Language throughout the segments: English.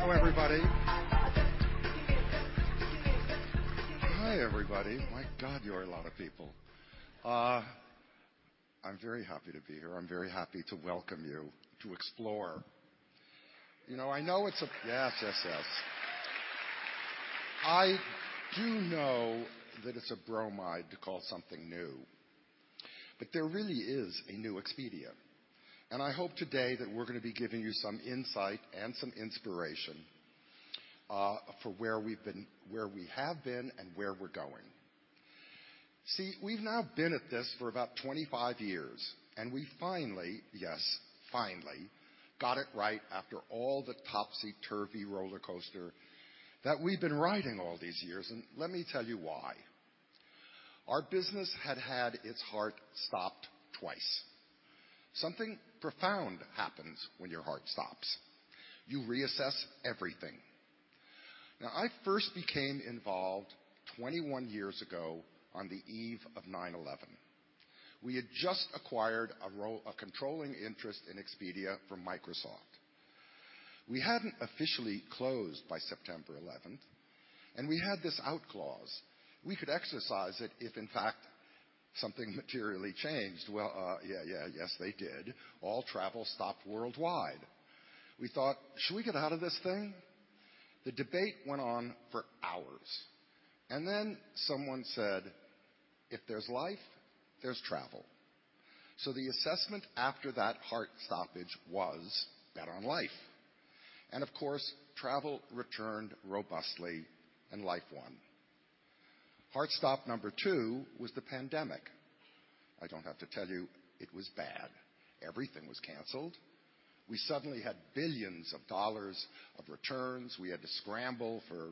Hello, everybody. Hi, everybody. My God, you are a lot of people. I'm very happy to be here. I'm very happy to welcome you to Explore. You know, I know it's a bromide to call something new, but there really is a new Expedia. Yes, yes. I do know that it's a bromide to call something new, but there really is a new Expedia. I hope today that we're gonna be giving you some insight and some inspiration for where we have been and where we're going. See, we've now been at this for about 25 years, and we finally, yes, finally, got it right after all the topsy-turvy rollercoaster that we've been riding all these years, and let me tell you why. Our business had its heart stopped twice. Something profound happens when your heart stops. You reassess everything. Now, I first became involved 21 years ago on the eve of 9/11. We had just acquired a controlling interest in Expedia from Microsoft. We hadn't officially closed by September 11, and we had this out clause. We could exercise it if in fact, something materially changed. Well, yes, they did. All travel stopped worldwide. We thought, "Should we get out of this thing?" The debate went on for hours, and then someone said, "If there's life, there's travel." The assessment after that heart stoppage was bet on life. Of course, travel returned robustly and life won. Heart stop number two was the pandemic. I don't have to tell you it was bad. Everything was canceled. We suddenly had billions of dollars of returns. We had to scramble for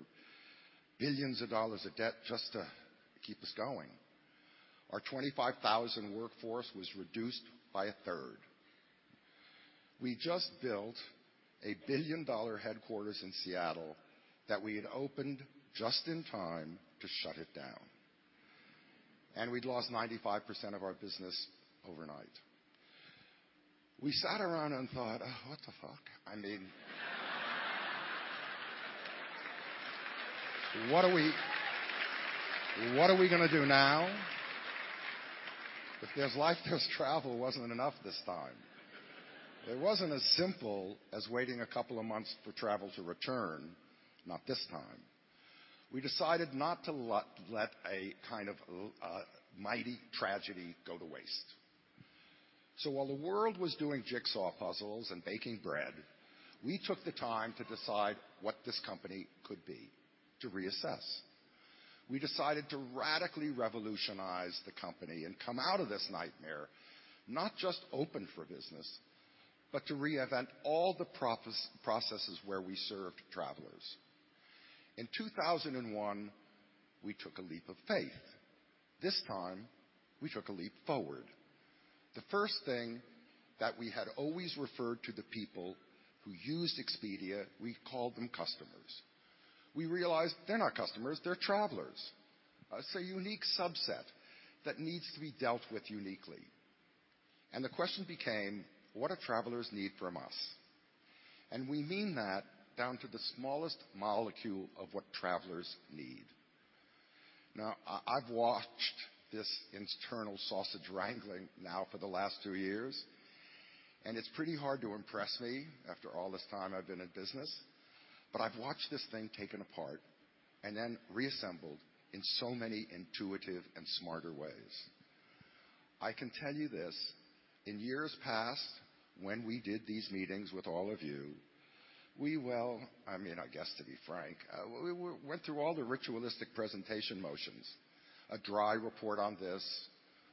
billions of dollars of debt just to keep us going. Our 25,000 workforce was reduced by a third. We just built a billion-dollar headquarters in Seattle that we had opened just in time to shut it down. We'd lost 95% of our business overnight. We sat around and thought, "Oh, what the?" I mean, what are we gonna do now? If there's life, there's travel wasn't enough this time. It wasn't as simple as waiting a couple of months for travel to return, not this time. We decided not to let a kind of mighty tragedy go to waste. While the world was doing jigsaw puzzles and baking bread, we took the time to decide what this company could be. To reassess. We decided to radically revolutionize the company and come out of this nightmare, not just open for business, but to reinvent all the processes where we served travelers. In 2001, we took a leap of faith. This time, we took a leap forward. The first thing that we had always referred to the people who used Expedia, we called them customers. We realized they're not customers, they're travelers. It's a unique subset that needs to be dealt with uniquely. The question became, what do travelers need from us? We mean that down to the smallest molecule of what travelers need. Now, I've watched this internal sausage wrangling now for the last 2 years, and it's pretty hard to impress me after all this time I've been in business. I've watched this thing taken apart and then reassembled in so many intuitive and smarter ways. I can tell you this, in years past, when we did these meetings with all of you, we, well. I mean, I guess to be frank, we went through all the ritualistic presentation motions, a dry report on this,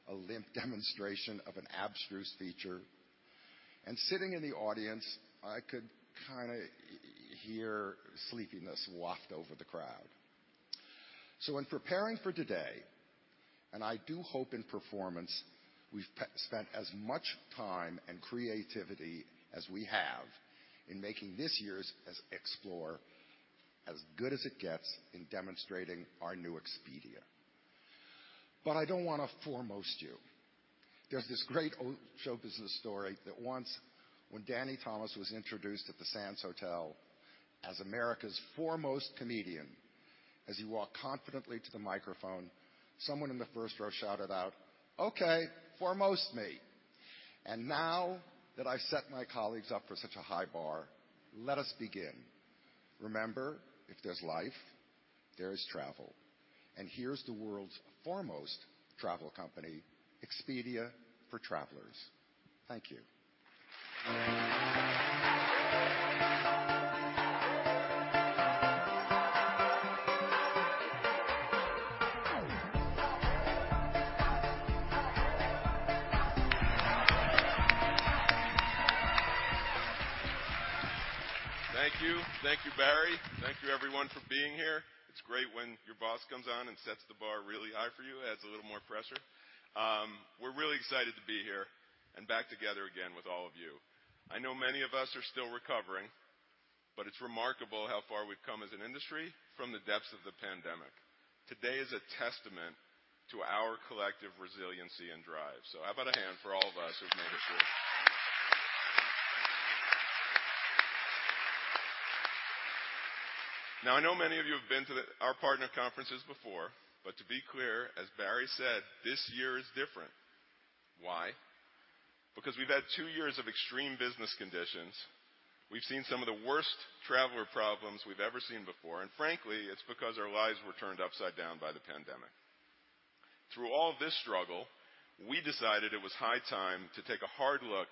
a limp demonstration of an abstruse feature. Sitting in the audience, I could kinda hear sleepiness waft over the crowd. In preparing for today, and I do hope in performance, we've spent as much time and creativity as we have in making this year's Explore as good as it gets in demonstrating our new Expedia. I don't want to foremost you. There's this great old show business story that once when Danny Thomas was introduced at the Sands Hotel as America's foremost comedian, as he walked confidently to the microphone, someone in the first row shouted out, "Okay, foremost me." Now that I've set my colleagues up for such a high bar, let us begin. Remember, if there's life, there's travel. Here's the world's foremost travel company, Expedia for travelers. Thank you. Thank you. Thank you, Barry. Thank you everyone for being here. It's great when your boss comes on and sets the bar really high for you, adds a little more pressure. We're really excited to be here and back together again with all of you. I know many of us are still recovering, but it's remarkable how far we've come as an industry from the depths of the pandemic. Today is a testament to our collective resiliency and drive. How about a hand for all of us who've made it through? Now, I know many of you have been to our partner conferences before, but to be clear, as Barry said, this year is different. Why? Because we've had two years of extreme business conditions. We've seen some of the worst traveler problems we've ever seen before, and frankly, it's because our lives were turned upside down by the pandemic. Through all this struggle, we decided it was high time to take a hard look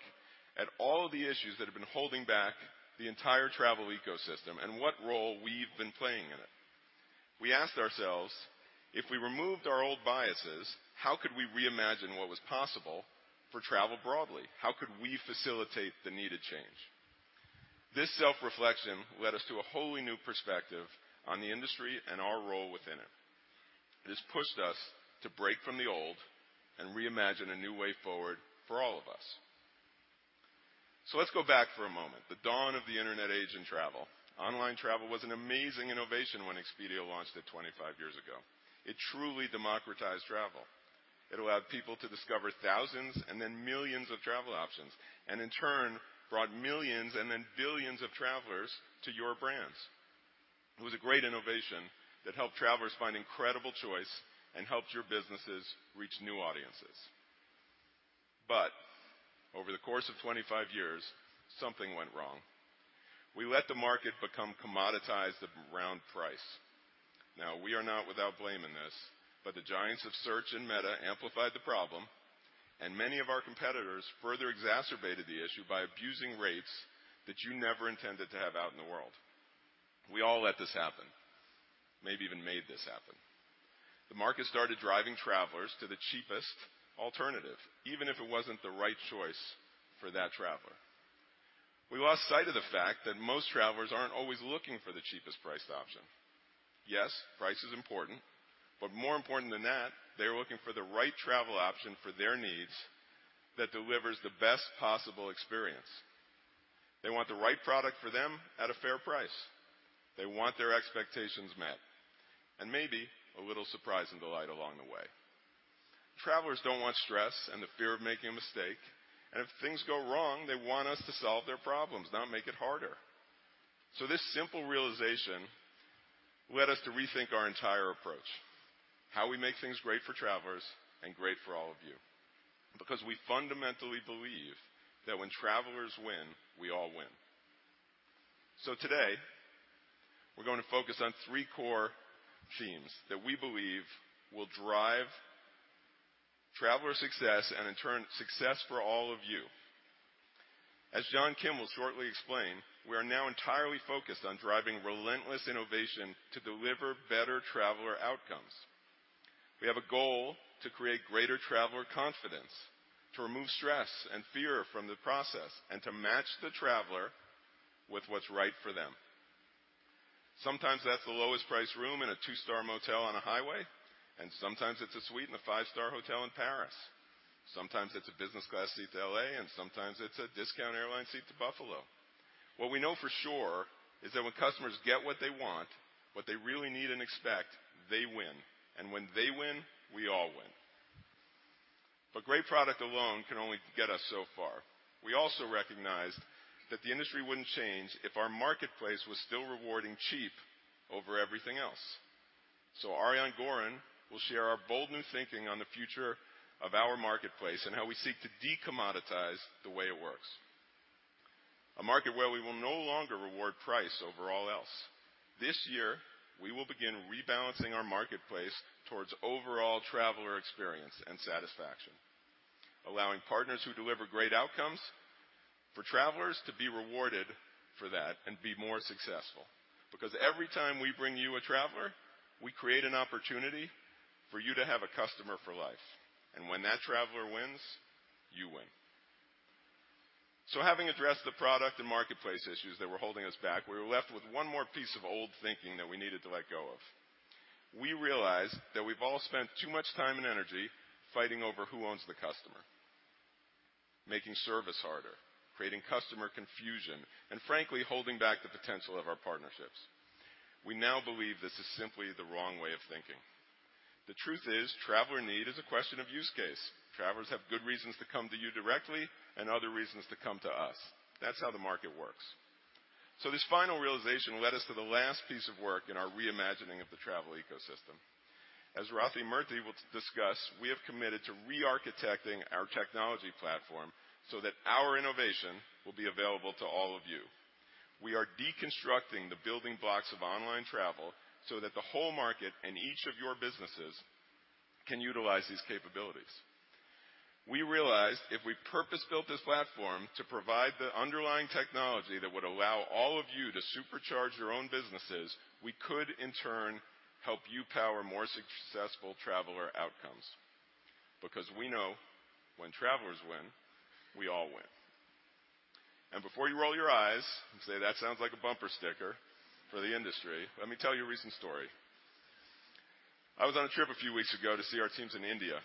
at all of the issues that have been holding back the entire travel ecosystem and what role we've been playing in it. We asked ourselves, "If we removed our old biases, how could we reimagine what was possible for travel broadly? How could we facilitate the needed change?" This self-reflection led us to a wholly new perspective on the industry and our role within it. It has pushed us to break from the old and reimagine a new way forward for all of us. Let's go back for a moment. The dawn of the internet age in travel. Online travel was an amazing innovation when Expedia launched it 25 years ago. It truly democratized travel. It allowed people to discover thousands and then millions of travel options, and in turn, brought millions and then billions of travelers to your brands. It was a great innovation that helped travelers find incredible choice and helped your businesses reach new audiences. Over the course of 25 years, something went wrong. We let the market become commoditized around price. Now, we are not without blame in this, but the giants of search and Meta amplified the problem, and many of our competitors further exacerbated the issue by abusing rates that you never intended to have out in the world. We all let this happen. Maybe even made this happen. The market started driving travelers to the cheapest alternative, even if it wasn't the right choice for that traveler. We lost sight of the fact that most travelers aren't always looking for the cheapest priced option. Yes, price is important, but more important than that, they're looking for the right travel option for their needs that delivers the best possible experience. They want the right product for them at a fair price. They want their expectations met and maybe a little surprise and delight along the way. Travelers don't want stress and the fear of making a mistake. If things go wrong, they want us to solve their problems, not make it harder. This simple realization led us to rethink our entire approach. How we make things great for travelers and great for all of you, because we fundamentally believe that when travelers win, we all win. Today, we're going to focus on three core themes that we believe will drive traveler success and in turn, success for all of you. As John Kim will shortly explain, we are now entirely focused on driving relentless innovation to deliver better traveler outcomes. We have a goal to create greater traveler confidence, to remove stress and fear from the process, and to match the traveler with what's right for them. Sometimes that's the lowest priced room in a two-star motel on a highway, and sometimes it's a suite in a five-star hotel in Paris. Sometimes it's a business class seat to LA, and sometimes it's a discount airline seat to Buffalo. What we know for sure is that when customers get what they want, what they really need and expect, they win. When they win, we all win. Great product alone can only get us so far. We also recognized that the industry wouldn't change if our marketplace was still rewarding cheap over everything else. Ariane Gorin will share our bold new thinking on the future of our marketplace and how we seek to de-commoditize the way it works. A market where we will no longer reward price over all else. This year, we will begin rebalancing our marketplace towards overall traveler experience and satisfaction, allowing partners who deliver great outcomes for travelers to be rewarded for that and be more successful. Because every time we bring you a traveler, we create an opportunity for you to have a customer for life. When that traveler wins, you win. Having addressed the product and marketplace issues that were holding us back, we were left with one more piece of old thinking that we needed to let go of. We realized that we've all spent too much time and energy fighting over who owns the customer, making service harder, creating customer confusion, and frankly, holding back the potential of our partnerships. We now believe this is simply the wrong way of thinking. The truth is, traveler need is a question of use case. Travelers have good reasons to come to you directly and other reasons to come to us. That's how the market works. This final realization led us to the last piece of work in our reimagining of the travel ecosystem. As Rathi Murthy will discuss, we have committed to re-architecting our technology platform so that our innovation will be available to all of you. We are deconstructing the building blocks of online travel so that the whole market and each of your businesses can utilize these capabilities. We realized if we purpose-built this platform to provide the underlying technology that would allow all of you to supercharge your own businesses, we could in turn help you power more successful traveler outcomes. Because we know when travelers win, we all win. Before you roll your eyes and say, "That sounds like a bumper sticker for the industry," let me tell you a recent story. I was on a trip a few weeks ago to see our teams in India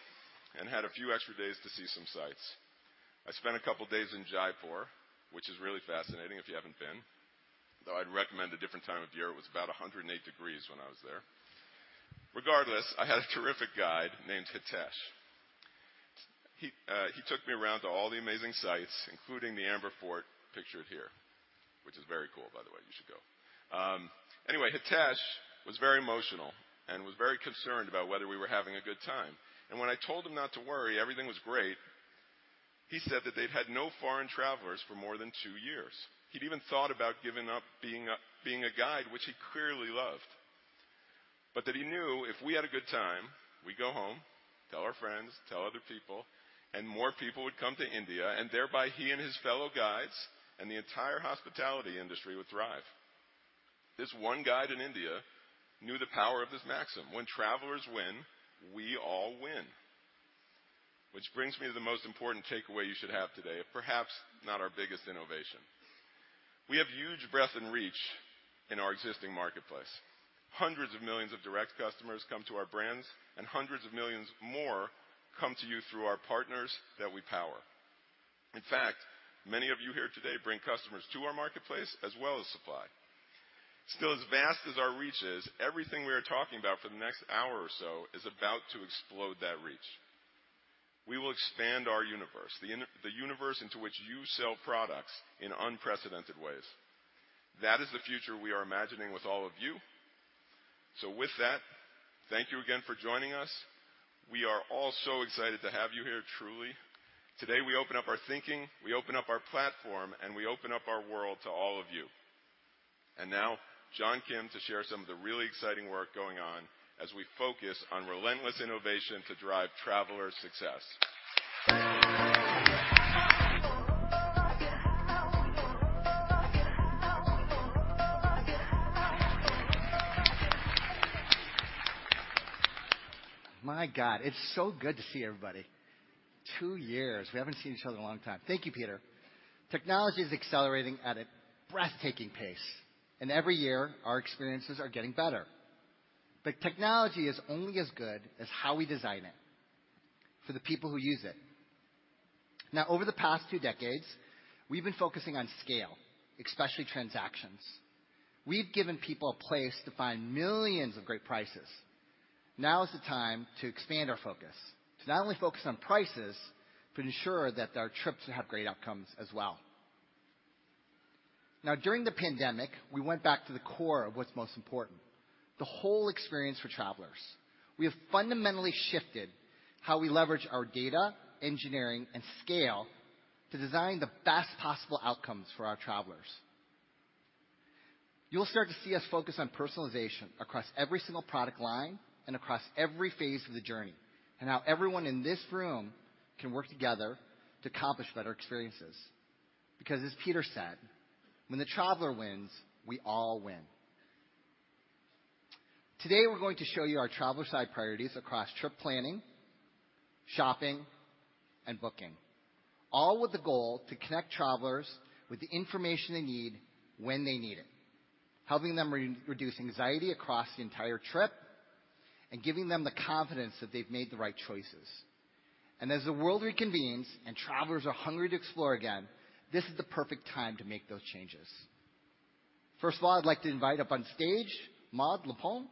and had a few extra days to see some sights. I spent a couple days in Jaipur, which is really fascinating if you haven't been, though I'd recommend a different time of year. It was about 108 degrees when I was there. Regardless, I had a terrific guide named Hitesh. He took me around to all the amazing sites, including the Amber Fort pictured here, which is very cool, by the way, you should go. Anyway, Hitesh was very emotional and was very concerned about whether we were having a good time. When I told him not to worry, everything was great, he said that they'd had no foreign travelers for more than two years. He'd even thought about giving up being a guide, which he clearly loved. That he knew if we had a good time, we go home, tell our friends, tell other people, and more people would come to India, and thereby, he and his fellow guides and the entire hospitality industry would thrive. This one guide in India knew the power of this maxim, when travelers win, we all win. Which brings me to the most important takeaway you should have today, if perhaps not our biggest innovation. We have huge breadth and reach in our existing marketplace. Hundreds of millions of direct customers come to our brands, and hundreds of millions more come to you through our partners that we power. In fact, many of you here today bring customers to our marketplace, as well as supply. Still, as vast as our reach is, everything we are talking about for the next hour or so is about to explode that reach. We will expand our universe, the universe into which you sell products in unprecedented ways. That is the future we are imagining with all of you. With that, thank you again for joining us. We are all so excited to have you here truly. Today, we open up our thinking, we open up our platform, and we open up our world to all of you. Now John Kim to share some of the really exciting work going on as we focus on relentless innovation to drive traveler success. My God, it's so good to see everybody. 2 years. We haven't seen each other in a long time. Thank you, Peter. Technology is accelerating at a breathtaking pace, and every year, our experiences are getting better. Technology is only as good as how we design it for the people who use it. Now over the past 2 decades, we've been focusing on scale, especially transactions. We've given people a place to find millions of great prices. Now is the time to expand our focus. To not only focus on prices, but ensure that their trips have great outcomes as well. Now during the pandemic, we went back to the core of what's most important, the whole experience for travelers. We have fundamentally shifted how we leverage our data, engineering, and scale to design the best possible outcomes for our travelers. You'll start to see us focus on personalization across every single product line and across every phase of the journey, and how everyone in this room can work together to accomplish better experiences. Because as Peter said, "When the traveler wins, we all win." Today, we're going to show you our traveler side priorities across trip planning, shopping, and booking, all with the goal to connect travelers with the information they need when they need it, helping them reduce anxiety across the entire trip, and giving them the confidence that they've made the right choices. As the world reconvenes and travelers are hungry to explore again, this is the perfect time to make those changes. First of all, I'd like to invite up on stage Maud Larpenteur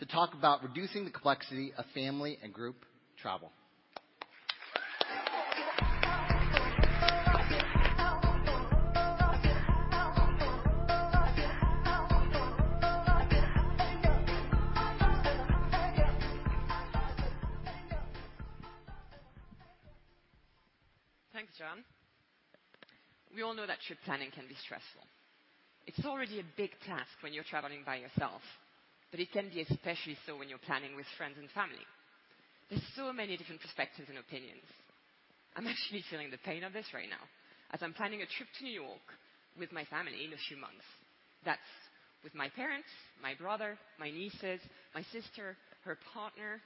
to talk about reducing the complexity of family and group travel. Thanks, Jon Gieselman. We all know that trip planning can be stressful. It's already a big task when you're traveling by yourself, but it can be especially so when you're planning with friends and family. There's so many different perspectives and opinions. I'm actually feeling the pain of this right now as I'm planning a trip to New York with my family in a few months. That's with my parents, my brother, my nieces, my sister, her partner.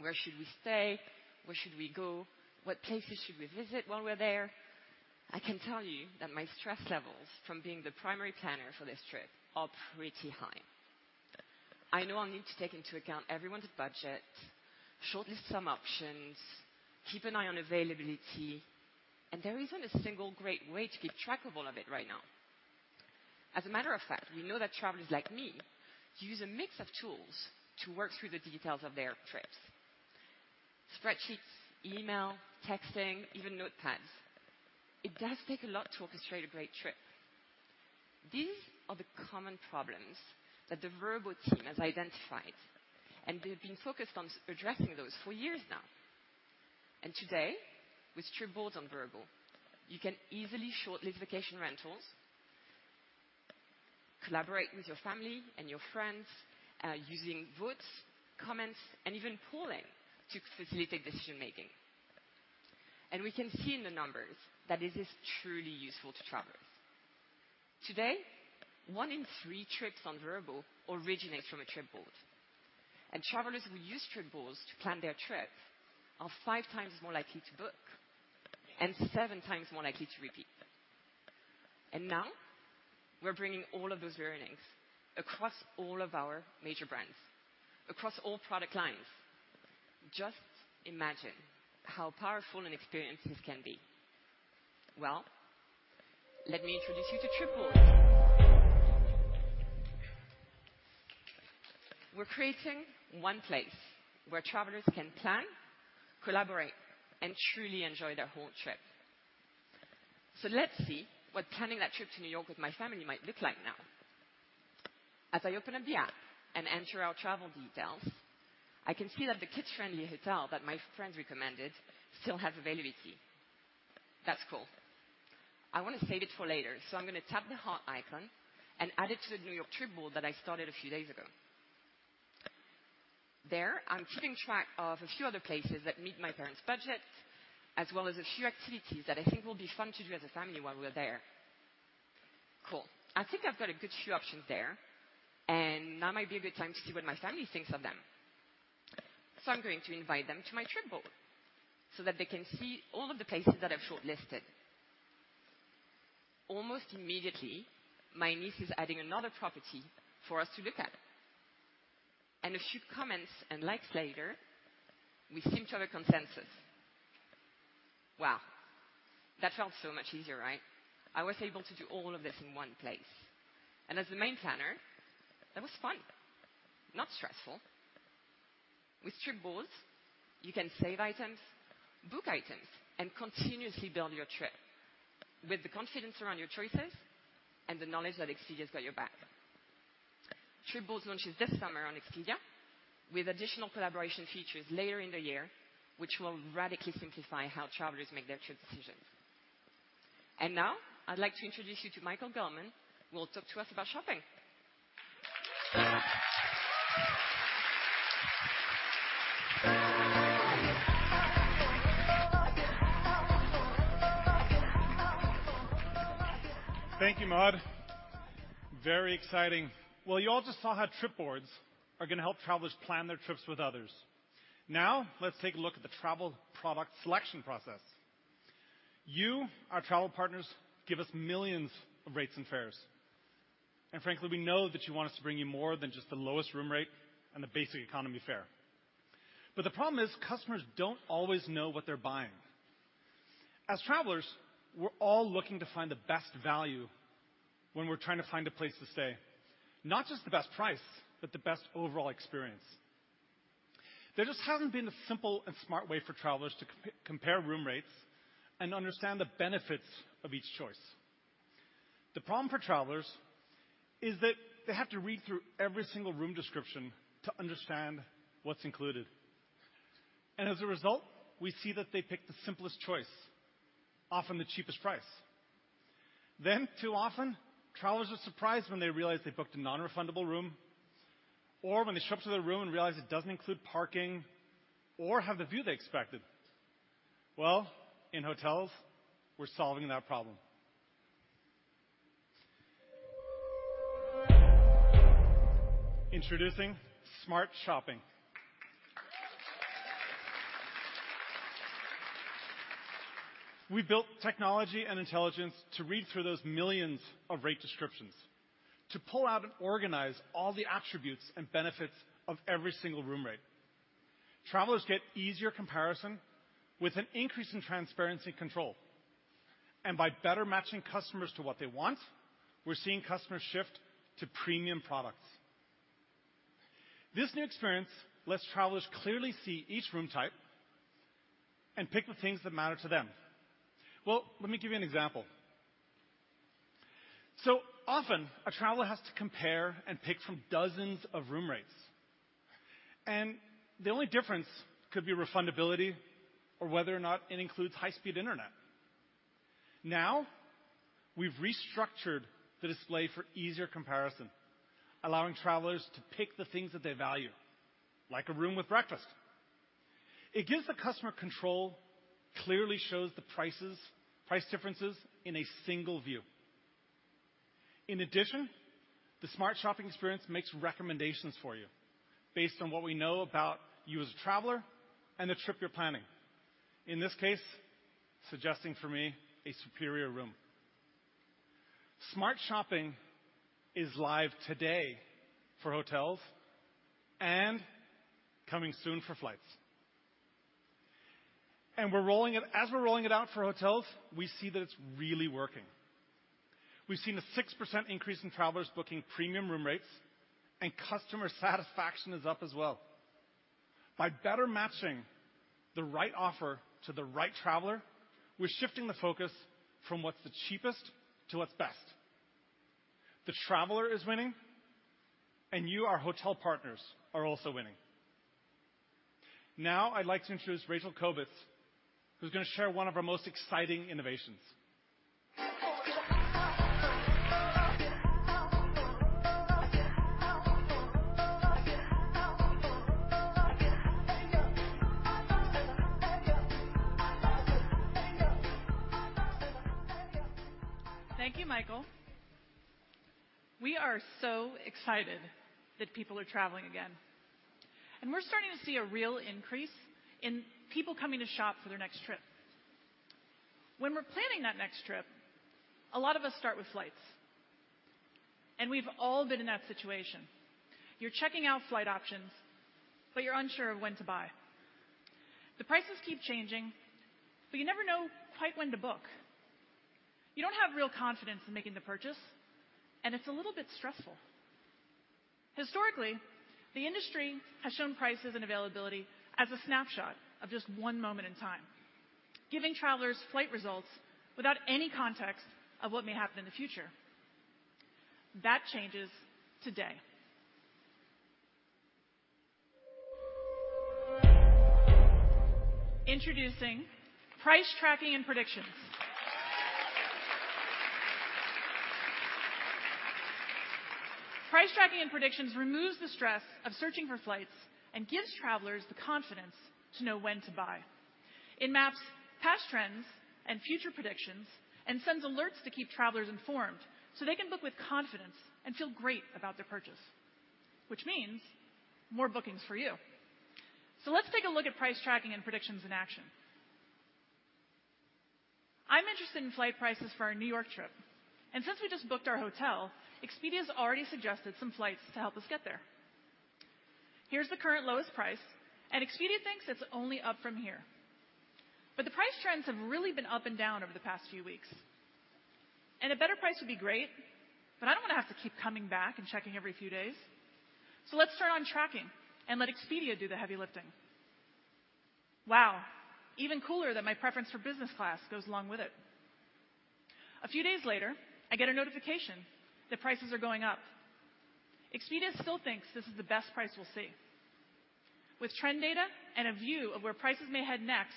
Where should we stay? Where should we go? What places should we visit while we're there? I can tell you that my stress levels from being the primary planner for this trip are pretty high. I know I'll need to take into account everyone's budget, shortlist some options, keep an eye on availability, and there isn't a single great way to keep track of all of it right now. As a matter of fact, we know that travelers like me use a mix of tools to work through the details of their trips. Spreadsheets, email, texting, even notepads. It does take a lot to orchestrate a great trip. These are the common problems that the Vrbo team has identified, and they've been focused on addressing those for years now. Today, with Trip Boards on Vrbo, you can easily shortlist vacation rentals, collaborate with your family and your friends, using votes, comments, and even polling to facilitate decision-making. We can see in the numbers that it is truly useful to travelers. Today, 1/3 trips on Vrbo originates from a Trip Boards. Travelers who use Trip Boards to plan their trip are five times more likely to book and seven times more likely to repeat. Now we're bringing all of those learnings across all of our major brands, across all product lines. Just imagine how powerful an experience this can be. Well, let me introduce you to Trip Boards. We're creating one place where travelers can plan, collaborate, and truly enjoy their whole trip. Let's see what planning that trip to New York with my family might look like now. As I open up the app and enter our travel details, I can see that the kids-friendly hotel that my friend recommended still have availability. That's cool. I wanna save it for later, so I'm gonna tap the heart icon and add it to the New York Trip Board that I started a few days ago. I'm keeping track of a few other places that meet my parents' budget, as well as a few activities that I think will be fun to do as a family while we're there. Cool. I think I've got a good few options there, and now might be a good time to see what my family thinks of them. I'm going to invite them to my Trip Board so that they can see all of the places that I've shortlisted. Almost immediately, my niece is adding another property for us to look at. A few comments and likes later, we seem to have a consensus. Wow, that felt so much easier, right? I was able to do all of this in one place. As the main planner, that was fun, not stressful. With Trip Boards, you can save items, book items, and continuously build your trip with the confidence around your choices and the knowledge that Expedia's got your back. Trip Boards launches this summer on Expedia with additional collaboration features later in the year, which will radically simplify how travelers make their trip decisions. Now I'd like to introduce you to Michael Gelman, who will talk to us about shopping. Thank you, Maud. Very exciting. Well, you all just saw how Trip Boards are gonna help travelers plan their trips with others. Now let's take a look at the travel product selection process. You, our travel partners, give us millions of rates and fares. Frankly, we know that you want us to bring you more than just the lowest room rate and the basic economy fare. The problem is customers don't always know what they're buying. As travelers, we're all looking to find the best value when we're trying to find a place to stay. Not just the best price, but the best overall experience. There just hasn't been a simple and smart way for travelers to compare room rates and understand the benefits of each choice. The problem for travelers is that they have to read through every single room description to understand what's included. As a result, we see that they pick the simplest choice, often the cheapest price. Too often, travelers are surprised when they realize they booked a non-refundable room or when they show up to their room and realize it doesn't include parking or have the view they expected. In hotels, we're solving that problem. Introducing Smart Shopping. We built technology and intelligence to read through those millions of rate descriptions, to pull out and organize all the attributes and benefits of every single room rate. Travelers get easier comparison with an increase in transparency control. By better matching customers to what they want, we're seeing customers shift to premium products. This new experience lets travelers clearly see each room type and pick the things that matter to them. Let me give you an example. Often a traveler has to compare and pick from dozens of room rates, and the only difference could be refundability or whether or not it includes high-speed internet. Now, we've restructured the display for easier comparison, allowing travelers to pick the things that they value, like a room with breakfast. It gives the customer control, clearly shows the prices, price differences in a single view. In addition, the Smart Shopping experience makes recommendations for you based on what we know about you as a traveler and the trip you're planning. In this case, suggesting for me a superior room. Smart Shopping is live today for hotels and coming soon for flights. As we're rolling it out for hotels, we see that it's really working. We've seen a 6% increase in travelers booking premium room rates and customer satisfaction is up as well. By better matching the right offer to the right traveler, we're shifting the focus from what's the cheapest to what's best. The traveler is winning, and you, our hotel partners, are also winning. Now I'd like to introduce Rachel Kobetz, who's gonna share one of our most exciting innovations. Thank you, Michael. We are so excited that people are traveling again, and we're starting to see a real increase in people coming to shop for their next trip. When we're planning that next trip, a lot of us start with flights. We've all been in that situation. You're checking out flight options, but you're unsure of when to buy. The prices keep changing, but you never know quite when to book. You don't have real confidence in making the purchase, and it's a little bit stressful. Historically, the industry has shown prices and availability as a snapshot of just one moment in time, giving travelers flight results without any context of what may happen in the future. That changes today. Introducing Price Tracking and Predictions. Price Tracking and Predictions removes the stress of searching for flights and gives travelers the confidence to know when to buy. It maps past trends and future predictions and sends alerts to keep travelers informed so they can book with confidence and feel great about their purchase. Which means more bookings for you. Let's take a look at Price Tracking and Predictions in action. I'm interested in flight prices for our New York trip, and since we just booked our hotel, Expedia's already suggested some flights to help us get there. Here's the current lowest price, and Expedia thinks it's only up from here. The price trends have really been up and down over the past few weeks. A better price would be great, but I don't want to have to keep coming back and checking every few days. Let's turn on tracking and let Expedia do the heavy lifting. Wow. Even cooler that my preference for business class goes along with it. A few days later, I get a notification that prices are going up. Expedia still thinks this is the best price we'll see. With trend data and a view of where prices may head next,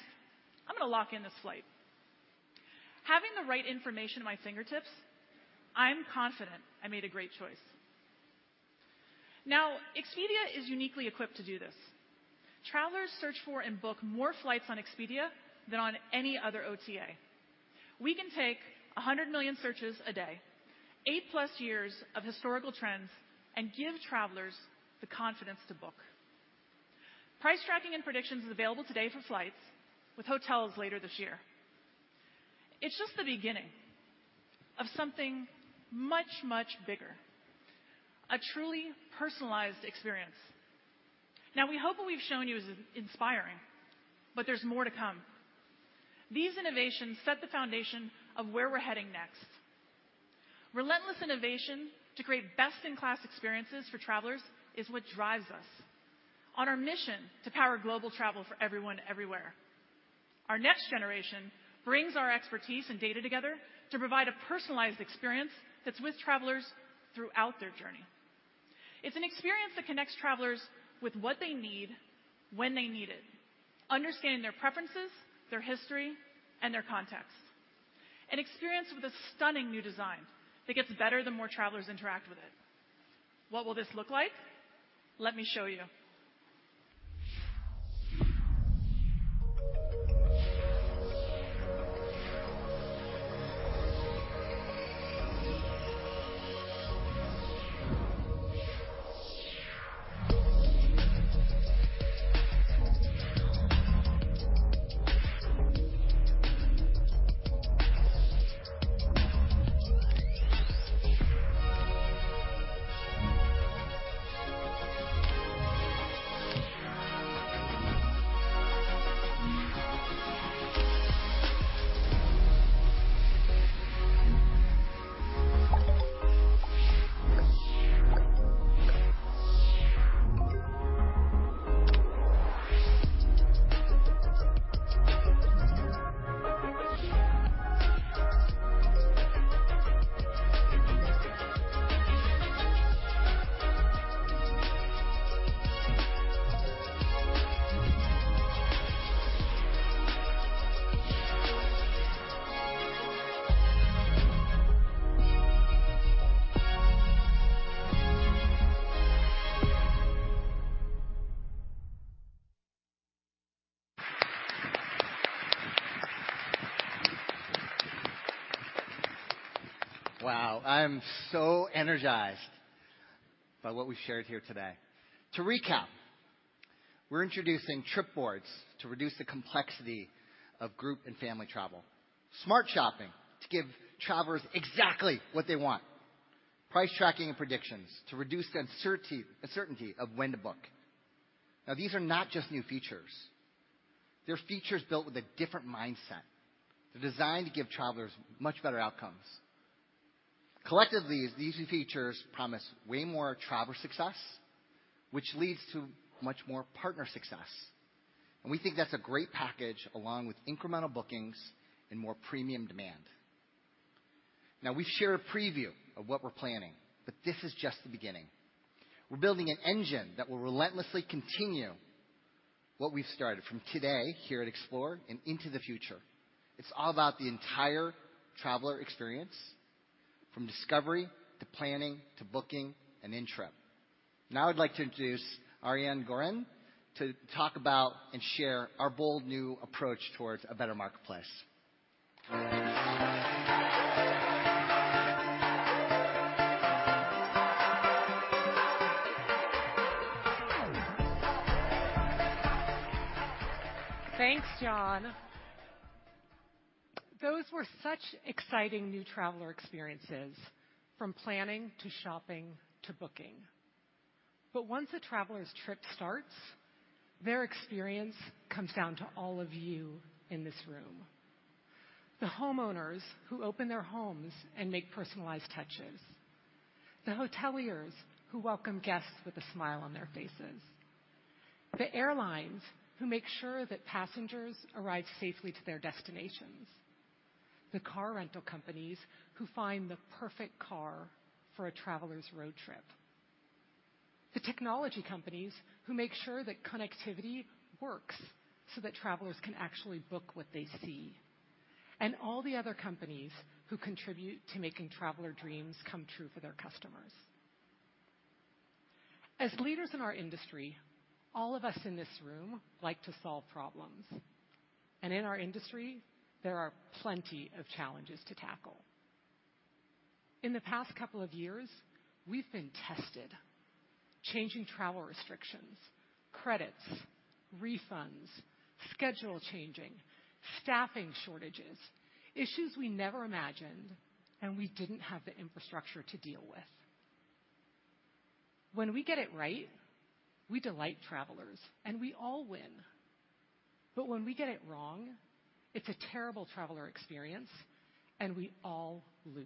I'm gonna lock in this flight. Having the right information at my fingertips, I'm confident I made a great choice. Now, Expedia is uniquely equipped to do this. Travelers search for and book more flights on Expedia than on any other OTA. We can take 100 million searches a day, 8+ years of historical trends, and give travelers the confidence to book. Price Tracking and Predictions is available today for flights with hotels later this year. It's just the beginning of something much, much bigger. A truly personalized experience. Now we hope what we've shown you is inspiring, but there's more to come. These innovations set the foundation of where we're heading next. Relentless innovation to create best-in-class experiences for travelers is what drives us on our mission to power global travel for everyone, everywhere. Our next generation brings our expertise and data together to provide a personalized experience that's with travelers throughout their journey. It's an experience that connects travelers with what they need when they need it, understanding their preferences, their history, and their context. An experience with a stunning new design that gets better the more travelers interact with it. What will this look like? Let me show you. Wow. I am so energized by what we've shared here today. To recap, we're introducing Trip Boards to reduce the complexity of group and family travel. Smart Shopping to give travelers exactly what they want. Price Tracking and Predictions to reduce the uncertainty of when to book. Now, these are not just new features. They're features built with a different mindset. They're designed to give travelers much better outcomes. Collectively, these new features promise way more traveler success, which leads to much more partner success. We think that's a great package along with incremental bookings and more premium demand. Now we've shared a preview of what we're planning, but this is just the beginning. We're building an engine that will relentlessly continue what we've started from today here at Explore and into the future. It's all about the entire traveler experience from discovery to planning, to booking and in-trip. Now I'd like to introduce Ariane Gorin to talk about and share our bold new approach towards a better marketplace. Thanks, Jon. Those were such exciting new traveler experiences, from planning to shopping to booking. Once a traveler's trip starts, their experience comes down to all of you in this room. The homeowners who open their homes and make personalized touches. The hoteliers who welcome guests with a smile on their faces. The airlines who make sure that passengers arrive safely to their destinations. The car rental companies who find the perfect car for a traveler's road trip. The technology companies who make sure that connectivity works so that travelers can actually book what they see. And all the other companies who contribute to making traveler dreams come true for their customers. As leaders in our industry, all of us in this room like to solve problems, and in our industry, there are plenty of challenges to tackle. In the past couple of years, we've been tested. Changing travel restrictions, credits, refunds, schedule changing, staffing shortages, issues we never imagined and we didn't have the infrastructure to deal with. When we get it right, we delight travelers and we all win. When we get it wrong, it's a terrible traveler experience and we all lose.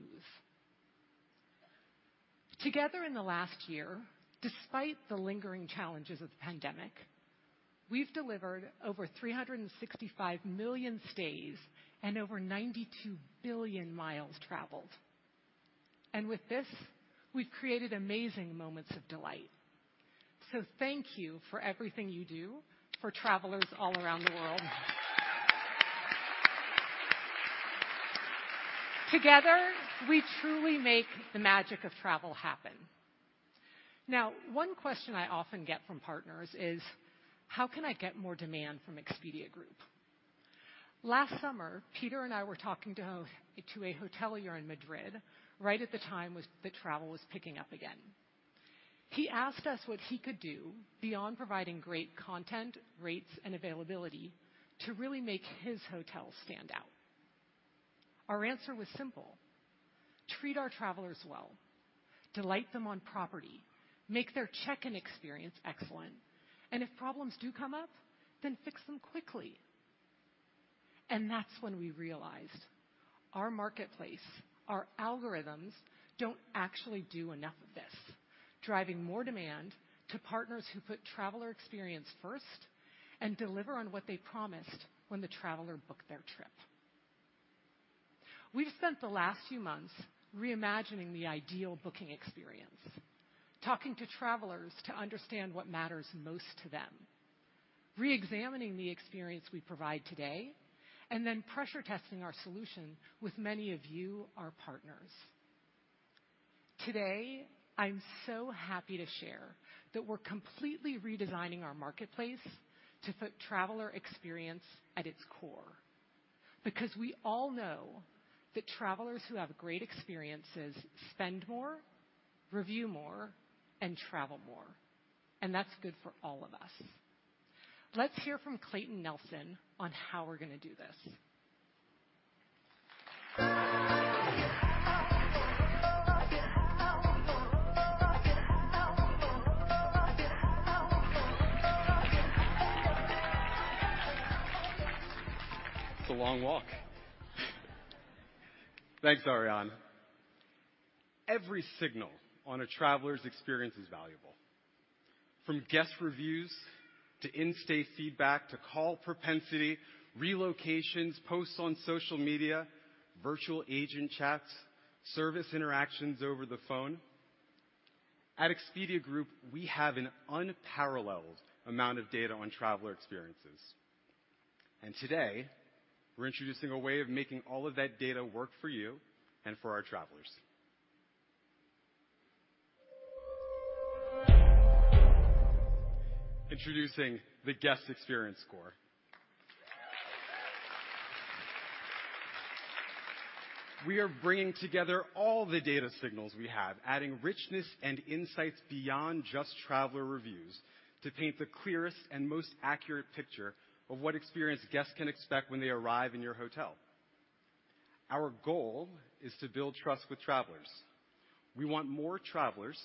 Together in the last year, despite the lingering challenges of the pandemic, we've delivered over 365 million stays and over 92 billion miles traveled. With this, we've created amazing moments of delight. Thank you for everything you do for travelers all around the world. Together, we truly make the magic of travel happen. Now, one question I often get from partners is: How can I get more demand from Expedia Group? Last summer, Peter and I were talking to a hotelier in Madrid right at the time that travel was picking up again. He asked us what he could do beyond providing great content, rates, and availability to really make his hotel stand out. Our answer was simple: Treat our travelers well. Delight them on property. Make their check-in experience excellent. If problems do come up, then fix them quickly. That's when we realized our marketplace, our algorithms, don't actually do enough of this, driving more demand to partners who put traveler experience first and deliver on what they promised when the traveler booked their trip. We've spent the last few months reimagining the ideal booking experience, talking to travelers to understand what matters most to them, reexamining the experience we provide today, and then pressure testing our solution with many of you, our partners. Today, I'm so happy to share that we're completely redesigning our marketplace to put traveler experience at its core. Because we all know that travelers who have great experiences spend more, review more, and travel more, and that's good for all of us. Let's hear from Clayton Nelson on how we're gonna do this. It's a long walk. Thanks, Ariane. Every signal on a traveler's experience is valuable. From guest reviews, to in-stay feedback, to call propensity, relocations, posts on social media, virtual agent chats, service interactions over the phone. At Expedia Group, we have an unparalleled amount of data on traveler experiences, and today, we're introducing a way of making all of that data work for you and for our travelers. Introducing the Guest Experience Score. We are bringing together all the data signals we have, adding richness and insights beyond just traveler reviews to paint the clearest and most accurate picture of what experience guests can expect when they arrive in your hotel. Our goal is to build trust with travelers. We want more travelers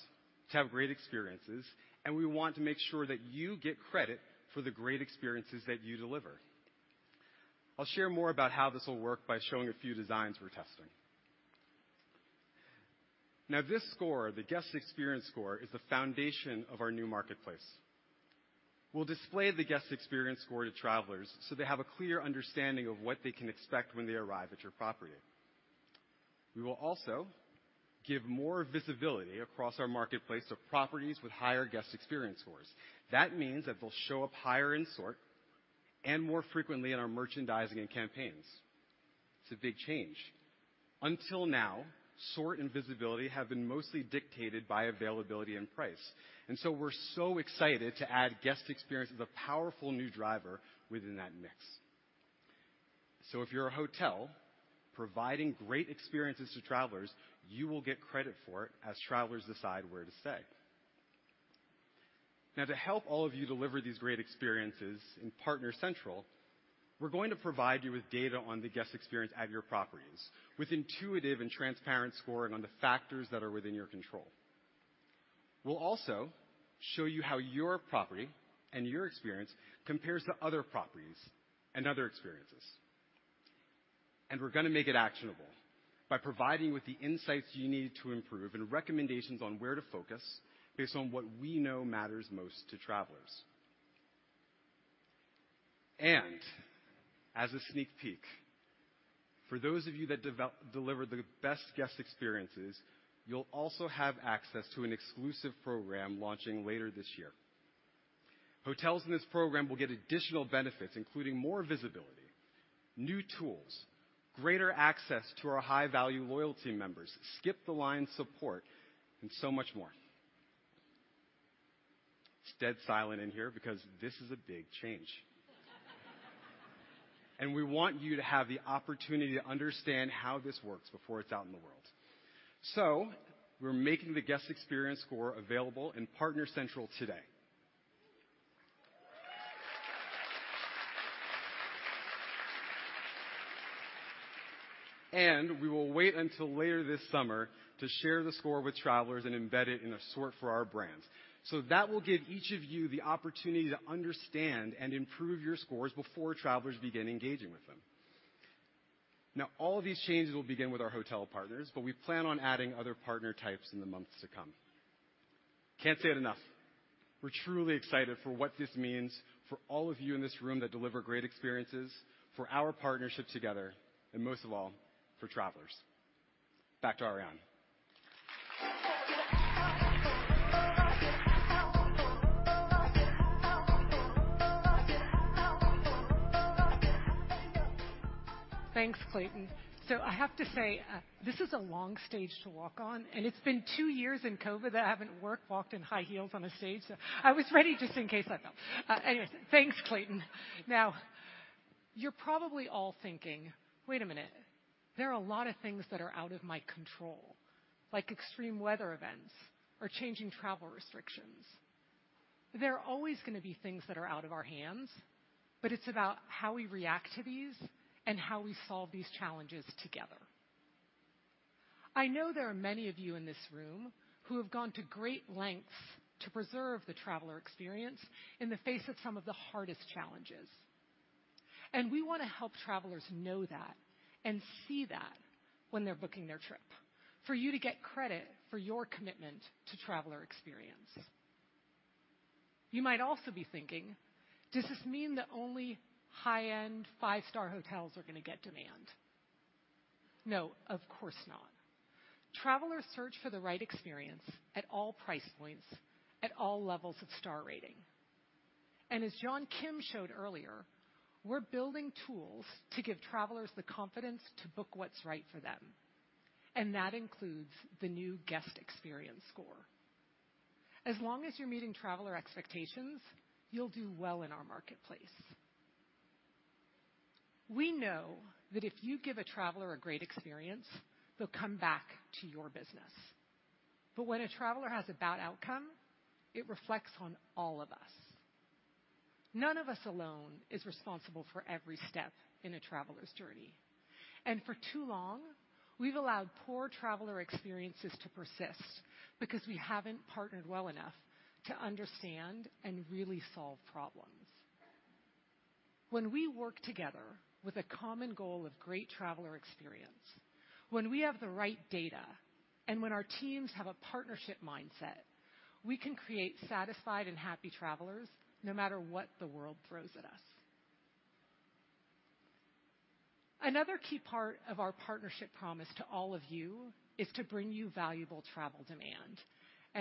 to have great experiences, and we want to make sure that you get credit for the great experiences that you deliver. I'll share more about how this will work by showing a few designs we're testing. Now this score, the Guest Experience Score, is the foundation of our new marketplace. We'll display the Guest Experience Score to travelers so they have a clear understanding of what they can expect when they arrive at your property. We will also give more visibility across our marketplace to properties with higher Guest Experience Scores. That means that they'll show up higher in sort and more frequently in our merchandising and campaigns. It's a big change. Until now, sort and visibility have been mostly dictated by availability and price, and so we're so excited to add guest experience as a powerful new driver within that mix. If you're a hotel providing great experiences to travelers, you will get credit for it as travelers decide where to stay. Now to help all of you deliver these great experiences in Partner Central, we're going to provide you with data on the guest experience at your properties with intuitive and transparent scoring on the factors that are within your control. We'll also show you how your property and your experience compares to other properties and other experiences. We're gonna make it actionable by providing you with the insights you need to improve and recommendations on where to focus based on what we know matters most to travelers. As a sneak peek, for those of you that deliver the best guest experiences, you'll also have access to an exclusive program launching later this year. Hotels in this program will get additional benefits including more visibility, new tools, greater access to our high-value loyalty members, skip-the-line support, and so much more. It's dead silent in here because this is a big change. We want you to have the opportunity to understand how this works before it's out in the world. We're making the guest experience score available in Partner Central today. We will wait until later this summer to share the score with travelers and embed it in a search for our brands. That will give each of you the opportunity to understand and improve your scores before travelers begin engaging with them. Now all these changes will begin with our hotel partners, but we plan on adding other partner types in the months to come. Can't say it enough, we're truly excited for what this means for all of you in this room that deliver great experiences, for our partnership together, and most of all, for travelers. Back to Ariane. Thanks, Clayton. I have to say, this is a long stage to walk on, and it's been two years in COVID that I haven't walked in high heels on a stage. I was ready just in case I fell. Anyways, thanks, Clayton. Now, you're probably all thinking, "Wait a minute. There are a lot of things that are out of my control, like extreme weather events or changing travel restrictions." There are always gonna be things that are out of our hands, but it's about how we react to these and how we solve these challenges together. I know there are many of you in this room who have gone to great lengths to preserve the traveler experience in the face of some of the hardest challenges, and we wanna help travelers know that and see that when they're booking their trip for you to get credit for your commitment to traveler experience. You might also be thinking, "Does this mean that only high-end five-star hotels are gonna get demand?" No, of course not. Travelers search for the right experience at all price points at all levels of star rating. As John Kim showed earlier, we're building tools to give travelers the confidence to book what's right for them, and that includes the new Guest experience score. As long as you're meeting traveler expectations, you'll do well in our marketplace. We know that if you give a traveler a great experience, they'll come back to your business. When a traveler has a bad outcome, it reflects on all of us. None of us alone is responsible for every step in a traveler's journey. For too long, we've allowed poor traveler experiences to persist because we haven't partnered well enough to understand and really solve problems. When we work together with a common goal of great traveler experience, when we have the right data, and when our teams have a partnership mindset, we can create satisfied and happy travelers no matter what the world throws at us. Another key part of our partnership promise to all of you is to bring you valuable travel demand.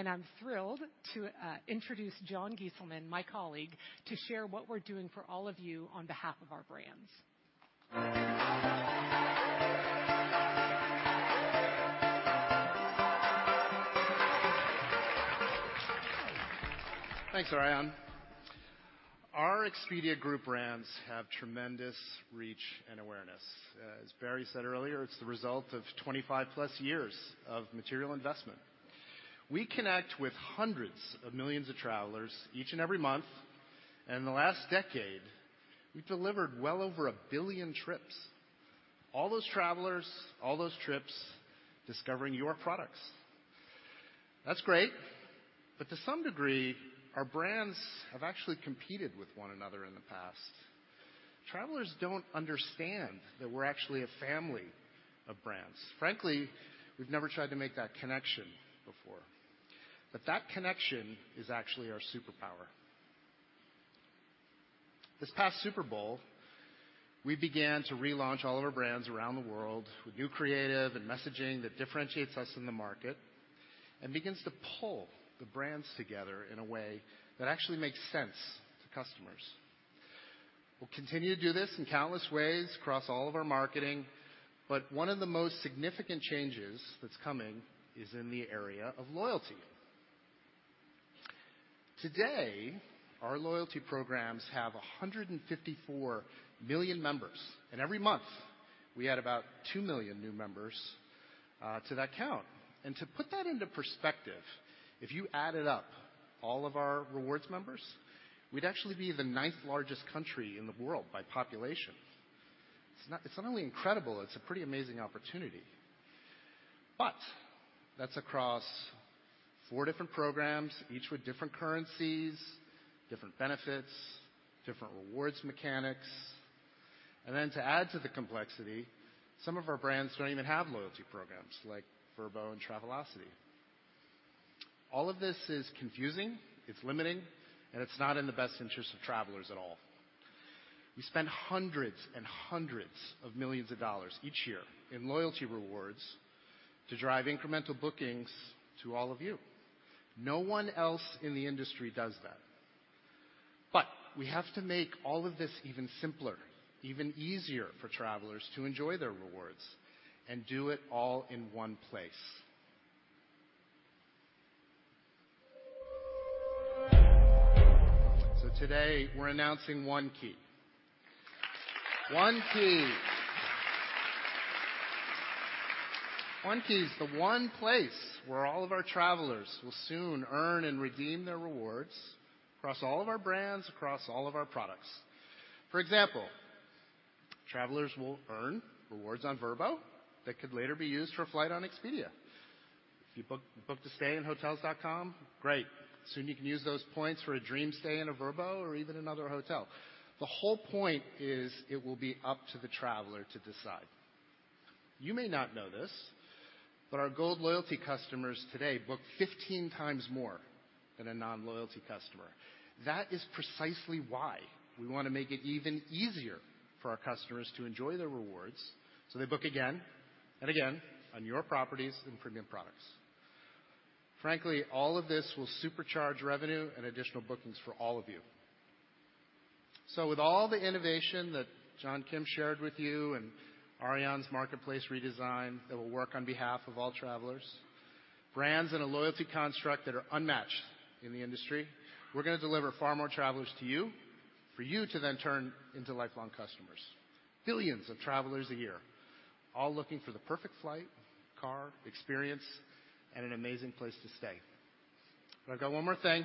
I'm thrilled to introduce Jon Gieselman, my colleague, to share what we're doing for all of you on behalf of our brands. Thanks, Ariane. Our Expedia Group brands have tremendous reach and awareness. As Barry said earlier, it's the result of 25+ years of material investment. We connect with hundreds of millions of travelers each and every month, and in the last decade, we've delivered well over a billion trips. All those travelers, all those trips discovering your products. That's great, but to some degree, our brands have actually competed with one another in the past. Travelers don't understand that we're actually a family of brands. Frankly, we've never tried to make that connection before. That connection is actually our superpower. This past Super Bowl, we began to relaunch all of our brands around the world with new creative and messaging that differentiates us in the market and begins to pull the brands together in a way that actually makes sense to customers. We'll continue to do this in countless ways across all of our marketing, but one of the most significant changes that's coming is in the area of loyalty. Today, our loyalty programs have 154 million members, and every month, we add about 2 million new members to that count. To put that into perspective, if you added up all of our rewards members, we'd actually be the ninth-largest country in the world by population. It's not only incredible, it's a pretty amazing opportunity. That's across four different programs, each with different currencies, different benefits, different rewards mechanics. To add to the complexity, some of our brands don't even have loyalty programs like Vrbo and Travelocity. All of this is confusing, it's limiting, and it's not in the best interest of travelers at all. We spend hundreds and hundreds of millions of dollars each year in loyalty rewards to drive incremental bookings to all of you. No one else in the industry does that. We have to make all of this even simpler, even easier for travelers to enjoy their rewards and do it all in one place. Today, we're announcing One Key. One Key is the one place where all of our travelers will soon earn and redeem their rewards across all of our brands, across all of our products. For example, travelers will earn rewards on Vrbo that could later be used for a flight on Expedia. If you book to stay in Hotels.com, great. Soon you can use those points for a dream stay in a Vrbo or even another hotel. The whole point is it will be up to the traveler to decide. You may not know this, but our gold loyalty customers today book 15 times more than a non-loyalty customer. That is precisely why we wanna make it even easier for our customers to enjoy their rewards, so they book again and again on your properties and premium products. Frankly, all of this will supercharge revenue and additional bookings for all of you. With all the innovation that John Kim shared with you and Ariane's marketplace redesign that will work on behalf of all travelers, brands and a loyalty construct that are unmatched in the industry, we're gonna deliver far more travelers to you for you to then turn into lifelong customers. Billions of travelers a year, all looking for the perfect flight, car, experience, and an amazing place to stay. I've got one more thing.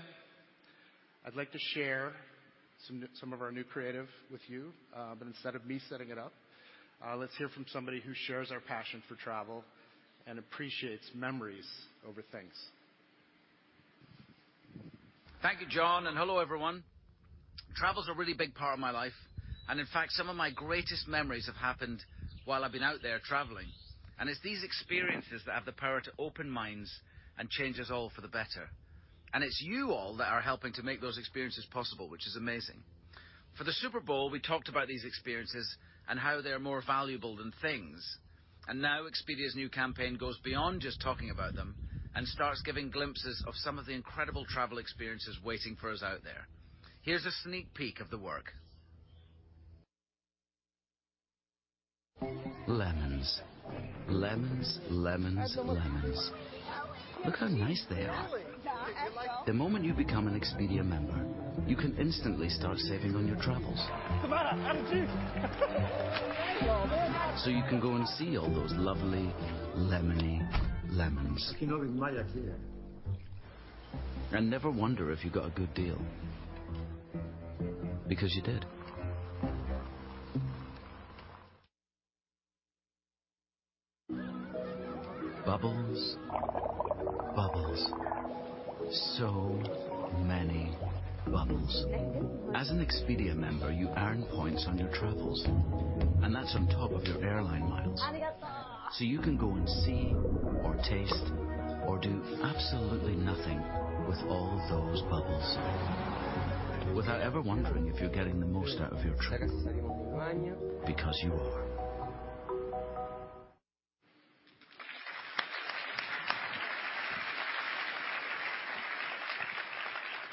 I'd like to share some of our new creative with you, but instead of me setting it up, let's hear from somebody who shares our passion for travel and appreciates memories over things. Thank you, Jon, and hello, everyone. Travel's a really big part of my life. In fact, some of my greatest memories have happened while I've been out there traveling. It's these experiences that have the power to open minds and change us all for the better. It's you all that are helping to make those experiences possible, which is amazing. For the Super Bowl, we talked about these experiences and how they are more valuable than things. Now Expedia's new campaign goes beyond just talking about them and starts giving glimpses of some of the incredible travel experiences waiting for us out there. Here's a sneak peek of the work. Lemons. Look how nice they are. The moment you become an Expedia member, you can instantly start saving on your travels. You can go and see all those lovely, lemony lemons. Never wonder if you got a good deal, because you did. Bubbles, bubbles. So many bubbles. As an Expedia member, you earn points on your travels, and that's on top of your airline miles. You can go and see or taste or do absolutely nothing with all those bubbles without ever wondering if you're getting the most out of your trip, because you are.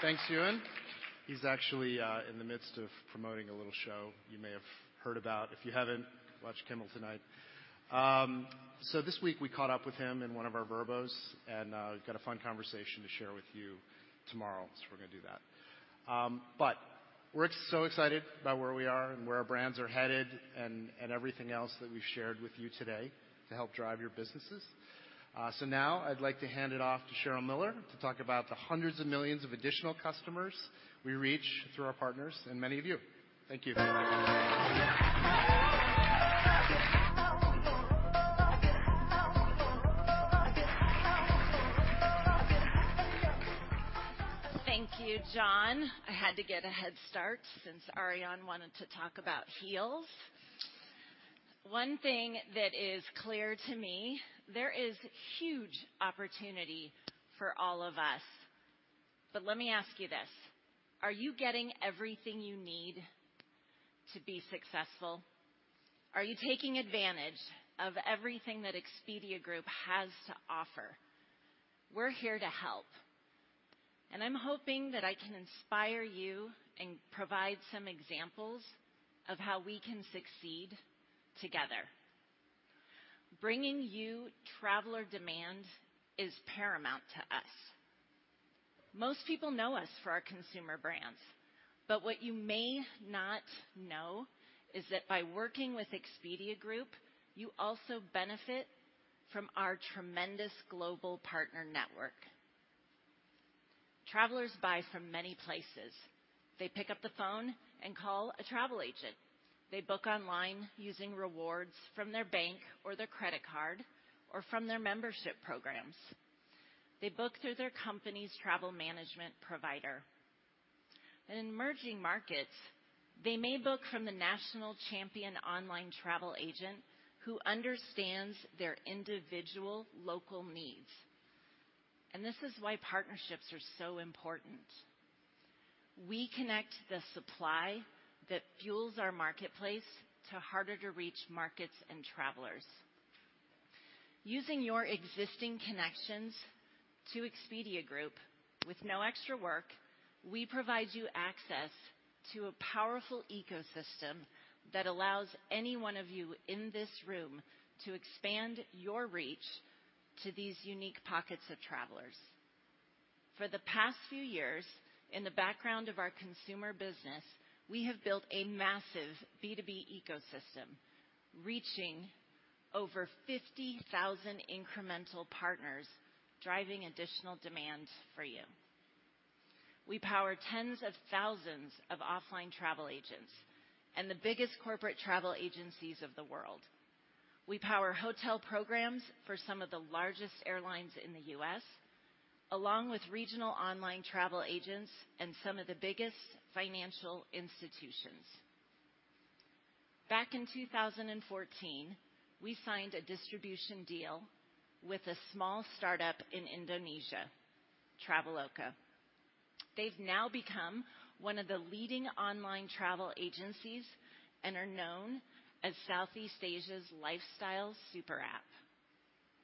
Thanks, Ewan. He's actually in the midst of promoting a little show you may have heard about. If you haven't, watch Kimmel tonight. This week we caught up with him in one of our Vrbo's, and we've got a fun conversation to share with you tomorrow. We're gonna do that. We're so excited about where we are and where our brands are headed and everything else that we've shared with you today to help drive your businesses. Now I'd like to hand it off to Cheryl Miller to talk about the hundreds of millions of additional customers we reach through our partners and many of you. Thank you. Thank you, Jon Gieselman. I had to get a head start since Ariane Gorin wanted to talk about heels. One thing that is clear to me, there is huge opportunity for all of us. Let me ask you this: Are you getting everything you need to be successful? Are you taking advantage of everything that Expedia Group has to offer? We're here to help. I'm hoping that I can inspire you and provide some examples of how we can succeed together. Bringing you traveler demand is paramount to us. Most people know us for our consumer brands, but what you may not know is that by working with Expedia Group, you also benefit from our tremendous global partner network. Travelers buy from many places. They pick up the phone and call a travel agent. They book online using rewards from their bank or their credit card, or from their membership programs. They book through their company's travel management provider. In emerging markets, they may book from the national champion online travel agent who understands their individual local needs. This is why partnerships are so important. We connect the supply that fuels our marketplace to harder to reach markets and travelers. Using your existing connections to Expedia Group with no extra work, we provide you access to a powerful ecosystem that allows any one of you in this room to expand your reach to these unique pockets of travelers. For the past few years, in the background of our consumer business, we have built a massive B2B ecosystem, reaching over 50,000 incremental partners, driving additional demand for you. We power tens of thousands of offline travel agents and the biggest corporate travel agencies of the world. We power hotel programs for some of the largest airlines in the US, along with regional online travel agents and some of the biggest financial institutions. Back in 2014, we signed a distribution deal with a small startup in Indonesia, Traveloka. They've now become one of the leading online travel agencies and are known as Southeast Asia's lifestyle super app.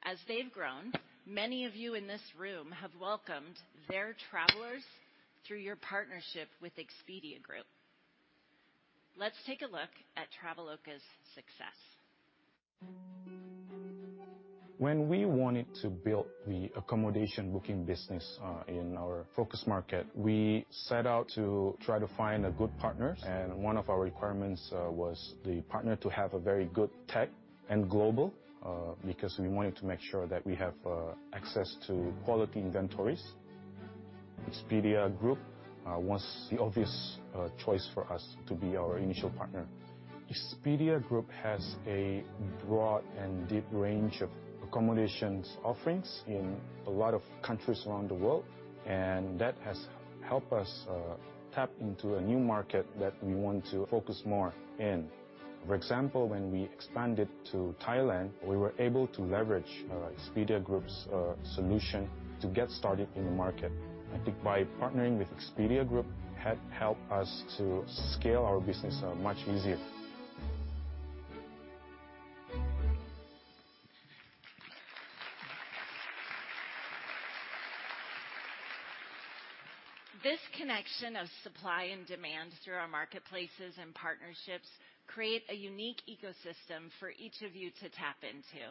As they've grown, many of you in this room have welcomed their travelers through your partnership with Expedia Group. Let's take a look at Traveloka's success. When we wanted to build the accommodation booking business in our focus market, we set out to try to find good partners, and one of our requirements was the partner to have very good tech and global because we wanted to make sure that we have access to quality inventories. Expedia Group was the obvious choice for us to be our initial partner. Expedia Group has a broad and deep range of accommodations offerings in a lot of countries around the world, and that has helped us tap into a new market that we want to focus more in. For example, when we expanded to Thailand, we were able to leverage Expedia Group's solution to get started in the market. I think by partnering with Expedia Group had helped us to scale our business much easier. This connection of supply and demand through our marketplaces and partnerships create a unique ecosystem for each of you to tap into.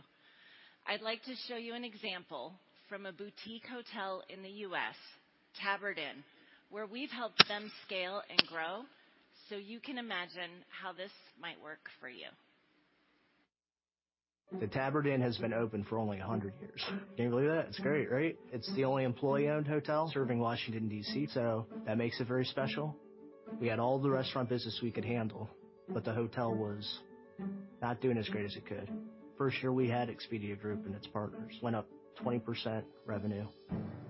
I'd like to show you an example from a boutique hotel in the U.S., Tabard Inn, where we've helped them scale and grow, so you can imagine how this might work for you. The Tabard Inn has been open for only 100 years. Can you believe that? It's great, right? It's the only employee-owned hotel serving Washington, D.C., so that makes it very special. We had all the restaurant business we could handle, but the hotel was not doing as great as it could. First year we had Expedia Group and its partners went up 20% revenue.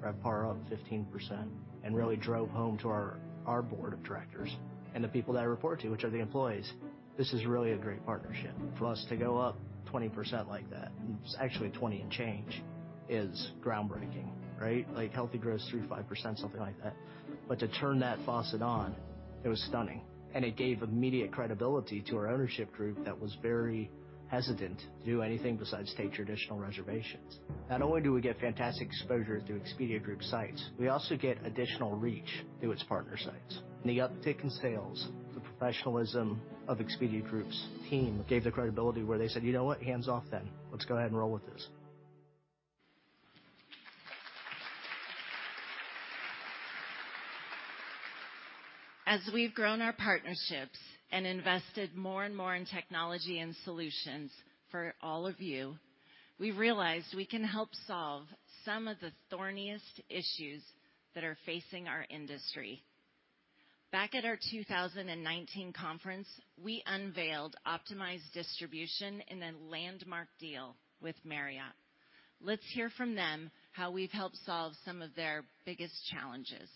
RevPAR up 15% and really drove home to our board of directors and the people that I report to, which are the employees, this is really a great partnership. For us to go up 20% like that, it's actually 20 and change, is groundbreaking, right? Like healthy growth is 3, 5%, something like that. To turn that faucet on, it was stunning. It gave immediate credibility to our ownership group that was very hesitant to do anything besides take traditional reservations. Not only do we get fantastic exposure through Expedia Group sites, we also get additional reach through its partner sites. The uptick in sales, the professionalism of Expedia Group's team gave the credibility where they said, "You know what? Hands off then. Let's go ahead and roll with this. As we've grown our partnerships and invested more and more in technology and solutions for all of you, we realized we can help solve some of the thorniest issues that are facing our industry. Back at our 2019 conference, we unveiled optimized distribution in a landmark deal with Marriott. Let's hear from them how we've helped solve some of their biggest challenges.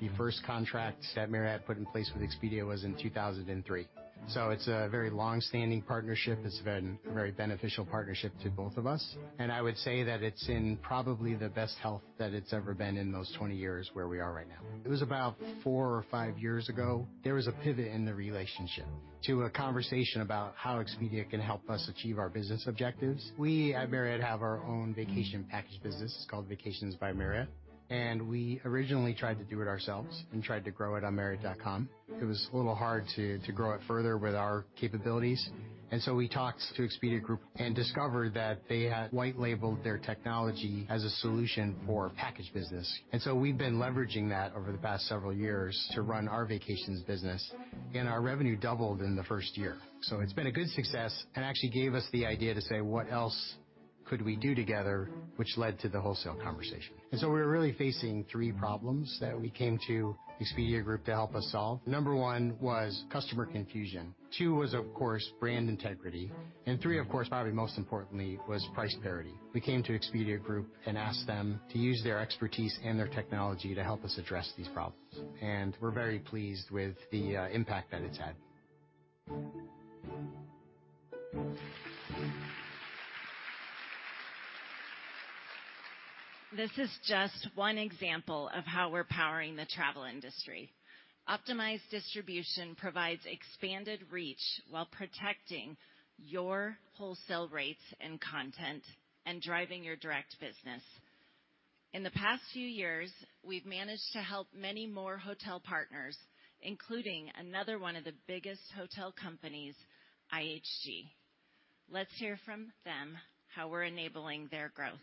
The first contract that Marriott put in place with Expedia was in 2003. It's a very long-standing partnership. It's been a very beneficial partnership to both of us. I would say that it's in probably the best health that it's ever been in those 20 years where we are right now. It was about 4 or 5 years ago, there was a pivot in the relationship to a conversation about how Expedia can help us achieve our business objectives. We at Marriott have our own vacation package business. It's called Vacations by Marriott, and we originally tried to do it ourselves and tried to grow it on marriott.com. It was a little hard to grow it further with our capabilities. We talked to Expedia Group and discovered that they had white labeled their technology as a solution for package business. We've been leveraging that over the past several years to run our vacations business. Our revenue doubled in the first year. It's been a good success and actually gave us the idea to say, "What else could we do together," which led to the wholesale conversation. We were really facing three problems that we came to Expedia Group to help us solve. Number one was customer confusion. Two was, of course, brand integrity. Three, of course, probably most importantly, was price parity. We came to Expedia Group and asked them to use their expertise and their technology to help us address these problems. We're very pleased with the impact that it's had. This is just one example of how we're powering the travel industry. Optimized distribution provides expanded reach while protecting your wholesale rates and content and driving your direct business. In the past few years, we've managed to help many more hotel partners, including another one of the biggest hotel companies, IHG. Let's hear from them how we're enabling their growth.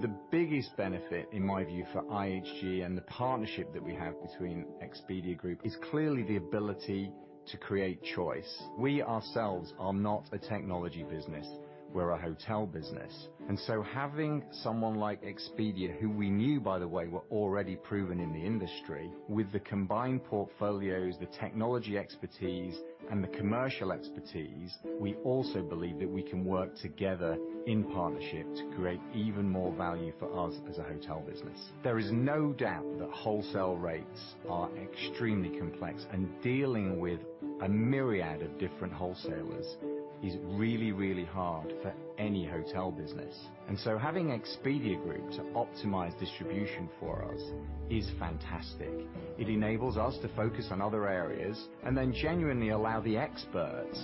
The biggest benefit, in my view, for IHG and the partnership that we have between Expedia Group is clearly the ability to create choice. We ourselves are not a technology business. We're a hotel business. Having someone like Expedia, who we knew, by the way, were already proven in the industry with the combined portfolios, the technology expertise, and the commercial expertise, we also believe that we can work together in partnership to create even more value for us as a hotel business. There is no doubt that wholesale rates are extremely complex, and dealing with a myriad of different wholesalers is really, really hard for any hotel business. Having Expedia Group to optimize distribution for us is fantastic. It enables us to focus on other areas and then genuinely allow the experts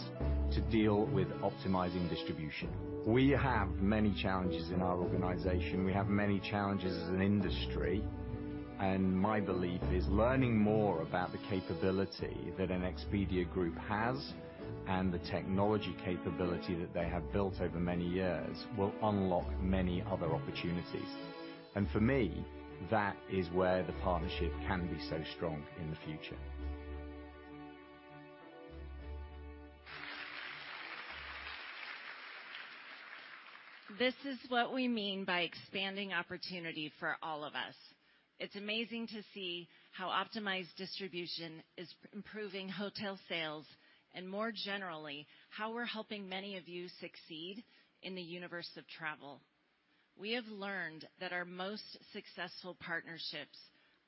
to deal with optimizing distribution. We have many challenges in our organization. We have many challenges as an industry, and my belief is learning more about the capability that an Expedia Group has and the technology capability that they have built over many years will unlock many other opportunities. For me, that is where the partnership can be so strong in the future. This is what we mean by expanding opportunity for all of us. It's amazing to see how optimized distribution is improving hotel sales and, more generally, how we're helping many of you succeed in the universe of travel. We have learned that our most successful partnerships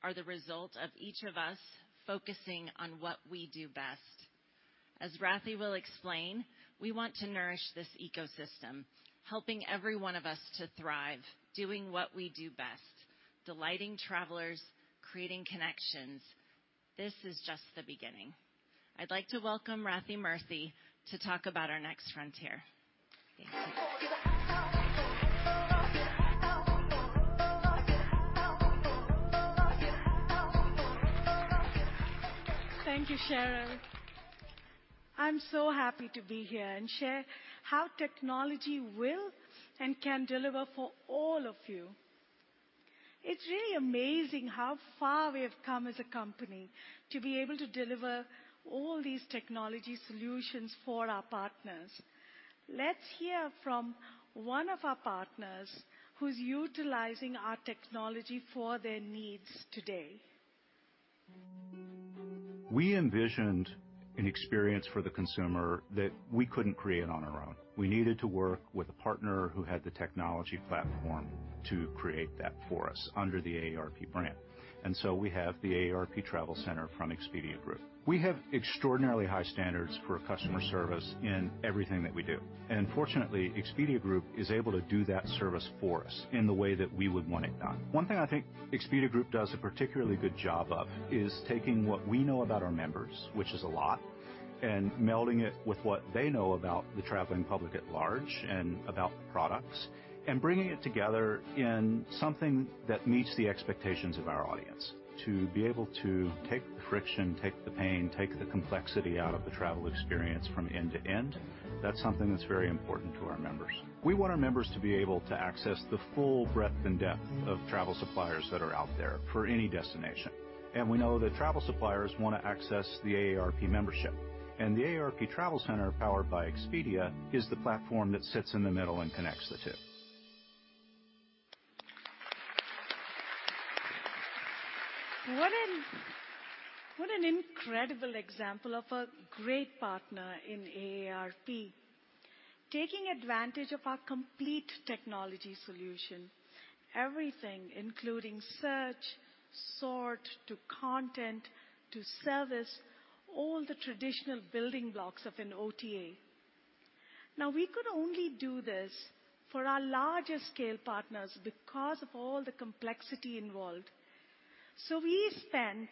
are the result of each of us focusing on what we do best. As Rathi Murthy will explain, we want to nourish this ecosystem, helping every one of us to thrive, doing what we do best, delighting travelers, creating connections. This is just the beginning. I'd like to welcome Rathi Murthy to talk about our next frontier. Thank you, Sharon. I'm so happy to be here and share how technology will and can deliver for all of you. It's really amazing how far we have come as a company to be able to deliver all these technology solutions for our partners. Let's hear from one of our partners who's utilizing our technology for their needs today. We envisioned an experience for the consumer that we couldn't create on our own. We needed to work with a partner who had the technology platform to create that for us under the AARP brand. We have the AARP Travel Center Powered by Expedia. We have extraordinarily high standards for customer service in everything that we do. Fortunately, Expedia Group is able to do that service for us in the way that we would want it done. One thing I think Expedia Group does a particularly good job of is taking what we know about our members, which is a lot, and melding it with what they know about the traveling public at large and about products and bringing it together in something that meets the expectations of our audience. To be able to take the friction, take the pain, take the complexity out of the travel experience from end to end, that's something that's very important to our members. We want our members to be able to access the full breadth and depth of travel suppliers that are out there for any destination. We know that travel suppliers want to access the AARP membership. The AARP Travel Center Powered by Expedia is the platform that sits in the middle and connects the two. What an incredible example of a great partner in AARP. Taking advantage of our complete technology solution, everything including search, sort, to content, to service, all the traditional building blocks of an OTA. Now, we could only do this for our larger scale partners because of all the complexity involved. We spent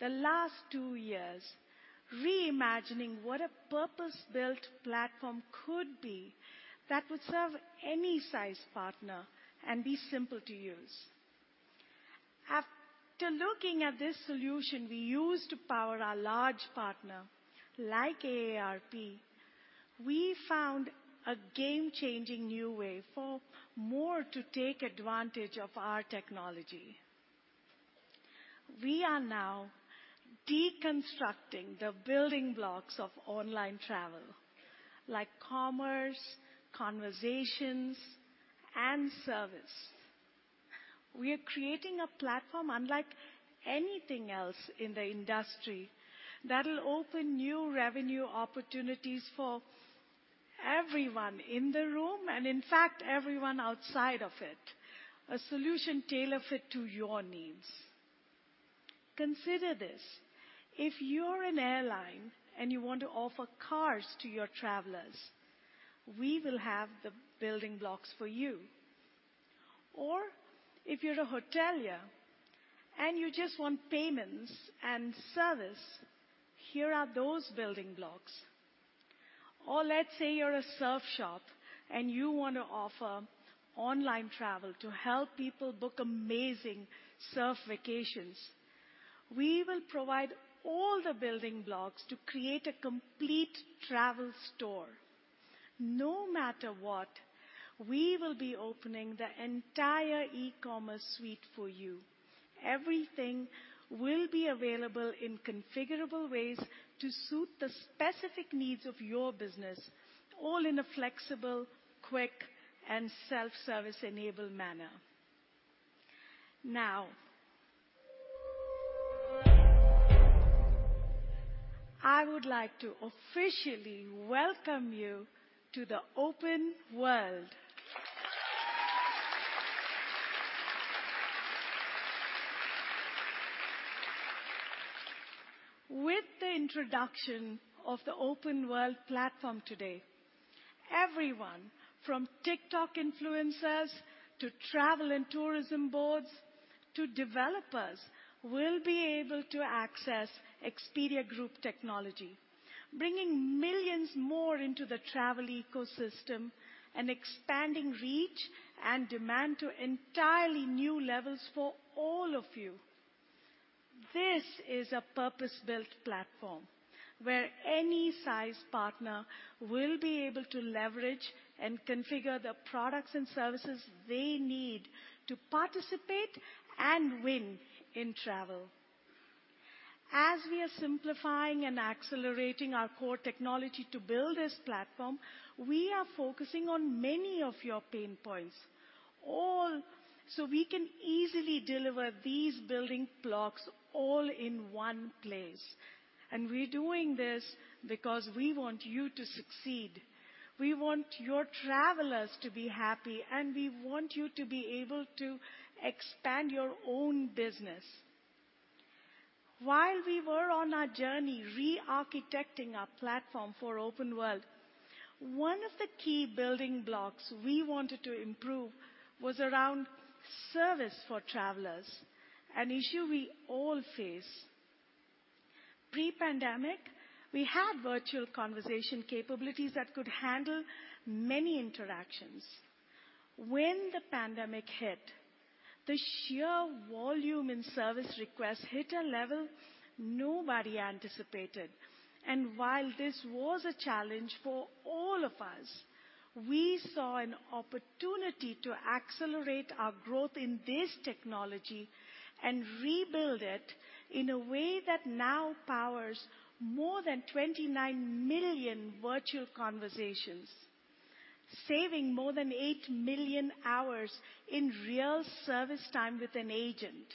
the last 2 years reimagining what a purpose-built platform could be that would serve any size partner and be simple to use. After looking at this solution we use to power our large partner, like AARP, we found a game-changing new way for more to take advantage of our technology. We are now deconstructing the building blocks of online travel, like commerce, conversations, and service. We are creating a platform unlike anything else in the industry that will open new revenue opportunities for everyone in the room, and in fact, everyone outside of it. A solution tailor-fit to your needs. Consider this, if you're an airline and you want to offer cars to your travelers, we will have the building blocks for you. If you're a hotelier and you just want payments and service, here are those building blocks. Let's say you're a surf shop and you want to offer online travel to help people book amazing surf vacations. We will provide all the building blocks to create a complete travel store. No matter what, we will be opening the entire e-commerce suite for you. Everything will be available in configurable ways to suit the specific needs of your business, all in a flexible, quick, and self-service enabled manner. Now, I would like to officially welcome you to the Open World. With the introduction of the Open World platform today, everyone from TikTok influencers to travel and tourism boards to developers will be able to access Expedia Group technology, bringing millions more into the travel ecosystem and expanding reach and demand to entirely new levels for all of you. This is a purpose-built platform where any size partner will be able to leverage and configure the products and services they need to participate and win in travel. As we are simplifying and accelerating our core technology to build this platform, we are focusing on many of your pain points, all so we can easily deliver these building blocks all in one place. We're doing this because we want you to succeed. We want your travelers to be happy, and we want you to be able to expand your own business. While we were on our journey re-architecting our platform for Open World, one of the key building blocks we wanted to improve was around service for travelers, an issue we all face. Pre-pandemic, we had virtual conversation capabilities that could handle many interactions. When the pandemic hit, the sheer volume in service requests hit a level nobody anticipated. While this was a challenge for all of us, we saw an opportunity to accelerate our growth in this technology and rebuild it in a way that now powers more than 29 million virtual conversations, saving more than 8 million hours in real service time with an agent.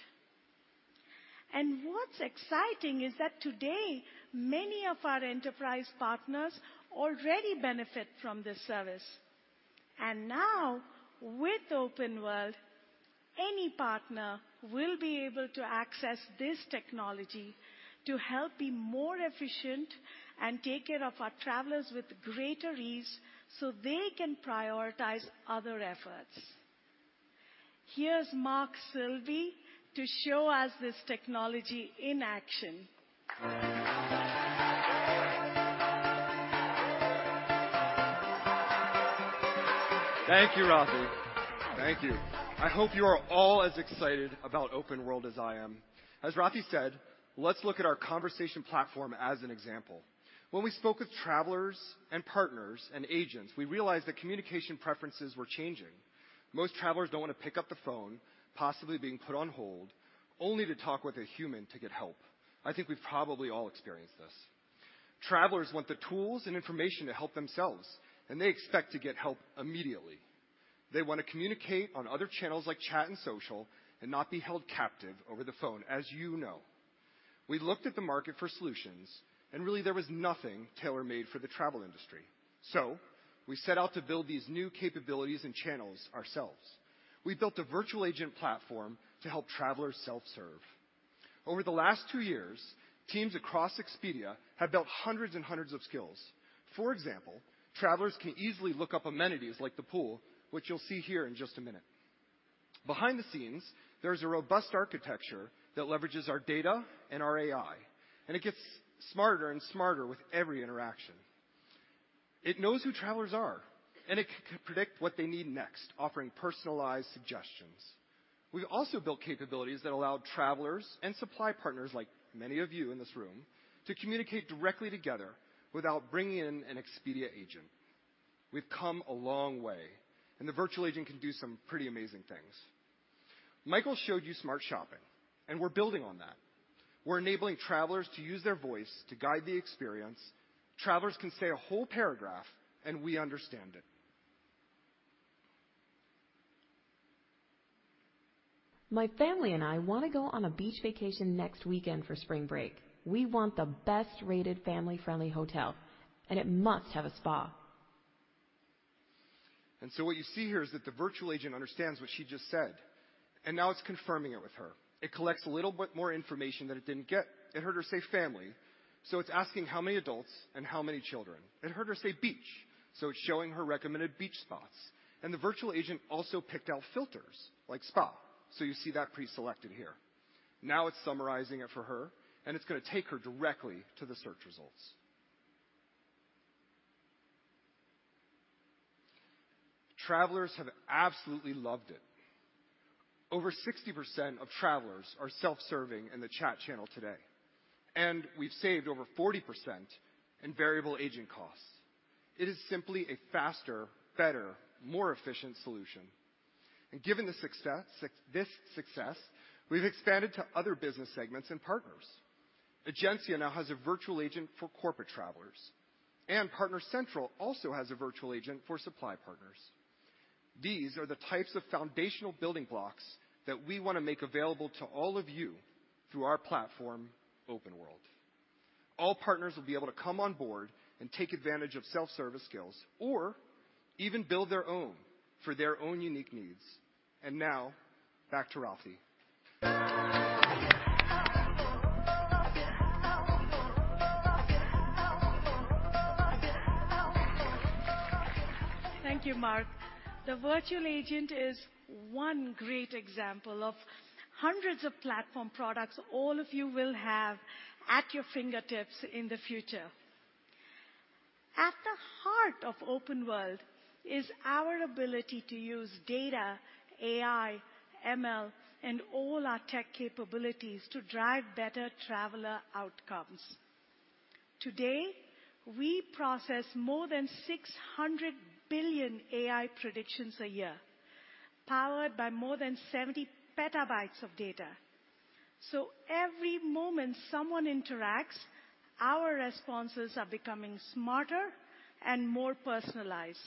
What's exciting is that today many of our enterprise partners already benefit from this service. Now with Open World, any partner will be able to access this technology to help be more efficient and take care of our travelers with greater ease so they can prioritize other efforts. Here's Mark Silvey to show us this technology in action. Thank you, Rathi Murthy. Thank you. I hope you are all as excited about Open World as I am. As Rathi Murthy said, let's look at our conversation platform as an example. When we spoke with travelers and partners and agents, we realized that communication preferences were changing. Most travelers don't want to pick up the phone, possibly being put on hold, only to talk with a human to get help. I think we've probably all experienced this. Travelers want the tools and information to help themselves, and they expect to get help immediately. They want to communicate on other channels like chat and social and not be held captive over the phone, as you know. We looked at the market for solutions, and really there was nothing tailor-made for the travel industry. We set out to build these new capabilities and channels ourselves. We built a virtual agent platform to help travelers self-serve. Over the last two years, teams across Expedia have built hundreds and hundreds of skills. For example, travelers can easily look up amenities like the pool, which you'll see here in just a minute. Behind the scenes, there's a robust architecture that leverages our data and our AI, and it gets smarter and smarter with every interaction. It knows who travelers are, and it can predict what they need next, offering personalized suggestions. We've also built capabilities that allow travelers and supply partners, like many of you in this room, to communicate directly together without bringing in an Expedia agent. We've come a long way, and the virtual agent can do some pretty amazing things. Michael showed you Smart shopping, and we're building on that. We're enabling travelers to use their voice to guide the experience. Travelers can say a whole paragraph, and we understand it. My family and I want to go on a beach vacation next weekend for spring break. We want the best-rated family-friendly hotel, and it must have a spa. What you see here is that the virtual agent understands what she just said, and now it's confirming it with her. It collects a little bit more information that it didn't get. It heard her say family, so it's asking how many adults and how many children. It heard her say beach, so it's showing her recommended beach spots. The virtual agent also picked out filters like spa, so you see that preselected here. Now it's summarizing it for her, and it's gonna take her directly to the search results. Travelers have absolutely loved it. Over 60% of travelers are self-serving in the chat channel today, and we've saved over 40% in variable agent costs. It is simply a faster, better, more efficient solution. Given this success, we've expanded to other business segments and partners. Egencia now has a virtual agent for corporate travelers, and Partner Central also has a virtual agent for supply partners. These are the types of foundational building blocks that we want to make available to all of you through our platform, Open World. All partners will be able to come on board and take advantage of self-service skills or even build their own for their own unique needs. Now back to Rathi. Thank you, Mark. The virtual agent is one great example of hundreds of platform products all of you will have at your fingertips in the future. At the heart of Open World is our ability to use data, AI, ML, and all our tech capabilities to drive better traveler outcomes. Today, we process more than 600 billion AI predictions a year, powered by more than 70 PB of data. Every moment someone interacts, our responses are becoming smarter and more personalized.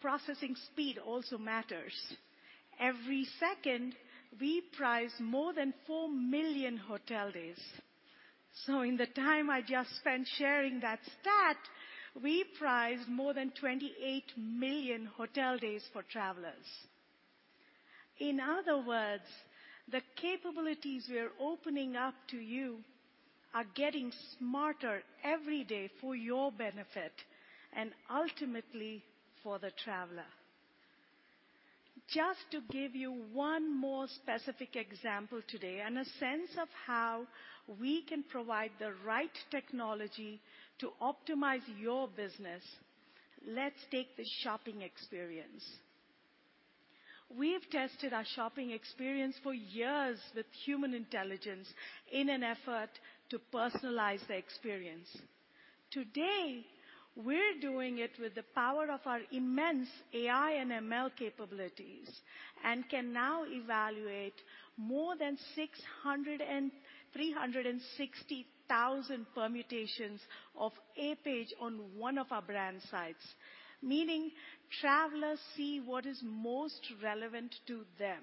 Processing speed also matters. Every second, we price more than 4 million hotel days. In the time I just spent sharing that stat, we priced more than 28 million hotel days for travelers. In other words, the capabilities we are opening up to you are getting smarter every day for your benefit and ultimately for the traveler. Just to give you one more specific example today and a sense of how we can provide the right technology to optimize your business, let's take the shopping experience. We've tested our shopping experience for years with human intelligence in an effort to personalize the experience. Today, we're doing it with the power of our immense AI and ML capabilities and can now evaluate more than 600 and 360,000 permutations of a page on one of our brand sites. Meaning travelers see what is most relevant to them.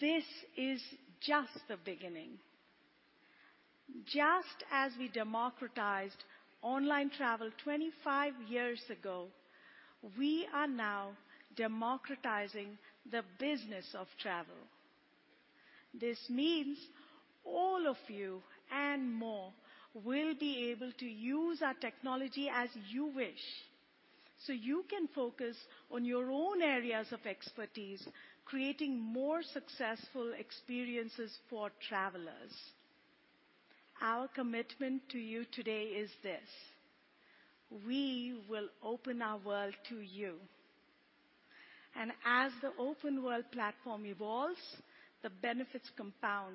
This is just the beginning. Just as we democratized online travel 25 years ago, we are now democratizing the business of travel. This means all of you and more will be able to use our technology as you wish, so you can focus on your own areas of expertise, creating more successful experiences for travelers. Our commitment to you today is this: We will open our world to you. As the Open World platform evolves, the benefits compound,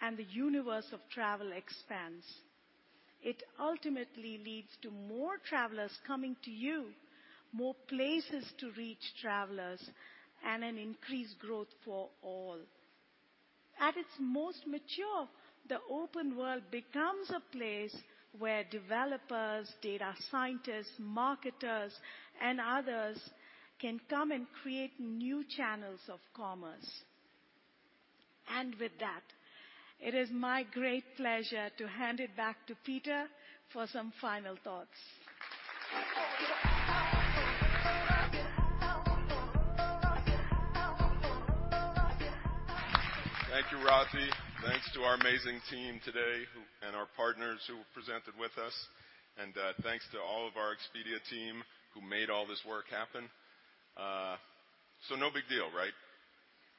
and the universe of travel expands. It ultimately leads to more travelers coming to you, more places to reach travelers, and an increased growth for all. At its most mature, the Open World becomes a place where developers, data scientists, marketers, and others can come and create new channels of commerce. With that, it is my great pleasure to hand it back to Peter for some final thoughts. Thank you, Rathi. Thanks to our amazing team today and our partners who presented with us, and thanks to all of our Expedia team who made all this work happen. No big deal, right?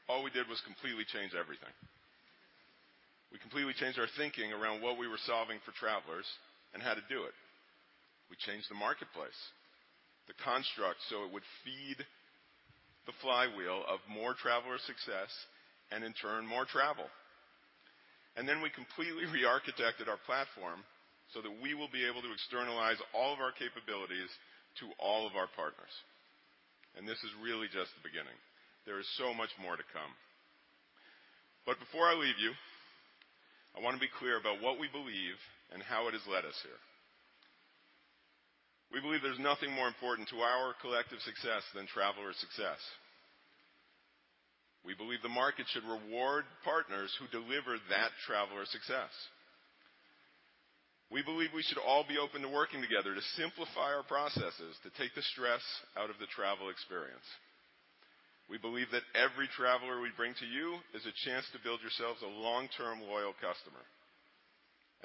All we did was completely change everything. We completely changed our thinking around what we were solving for travelers and how to do it. We changed the marketplace, the construct, so it would feed The flywheel of more traveler success and in turn, more travel. Then we completely rearchitected our platform so that we will be able to externalize all of our capabilities to all of our partners. This is really just the beginning. There is so much more to come. Before I leave you, I wanna be clear about what we believe and how it has led us here. We believe there's nothing more important to our collective success than traveler success. We believe the market should reward partners who deliver that traveler success. We believe we should all be open to working together to simplify our processes to take the stress out of the travel experience. We believe that every traveler we bring to you is a chance to build yourselves a long-term, loyal customer.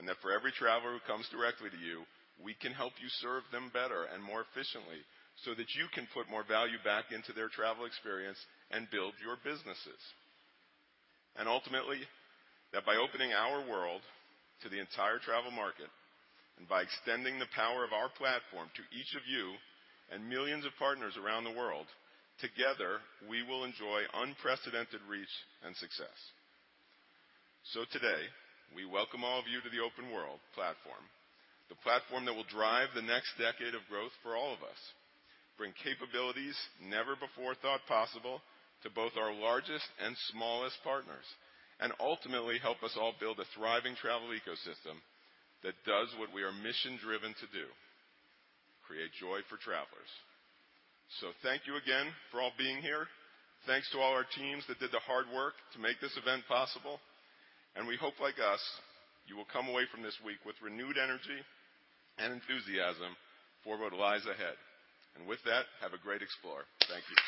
That for every traveler who comes directly to you, we can help you serve them better and more efficiently so that you can put more value back into their travel experience and build your businesses. Ultimately, that by opening Open World to the entire travel market, and by extending the power of our platform to each of you and millions of partners around the world, together, we will enjoy unprecedented reach and success. Today, we welcome all of you to the Open World platform, the platform that will drive the next decade of growth for all of us, bring capabilities never before thought possible to both our largest and smallest partners, and ultimately help us all build a thriving travel ecosystem that does what we are mission-driven to do, create joy for travelers. Thank you again for all being here. Thanks to all our teams that did the hard work to make this event possible, and we hope, like us, you will come away from this week with renewed energy and enthusiasm for what lies ahead. With that, have a great Explore. Thank you.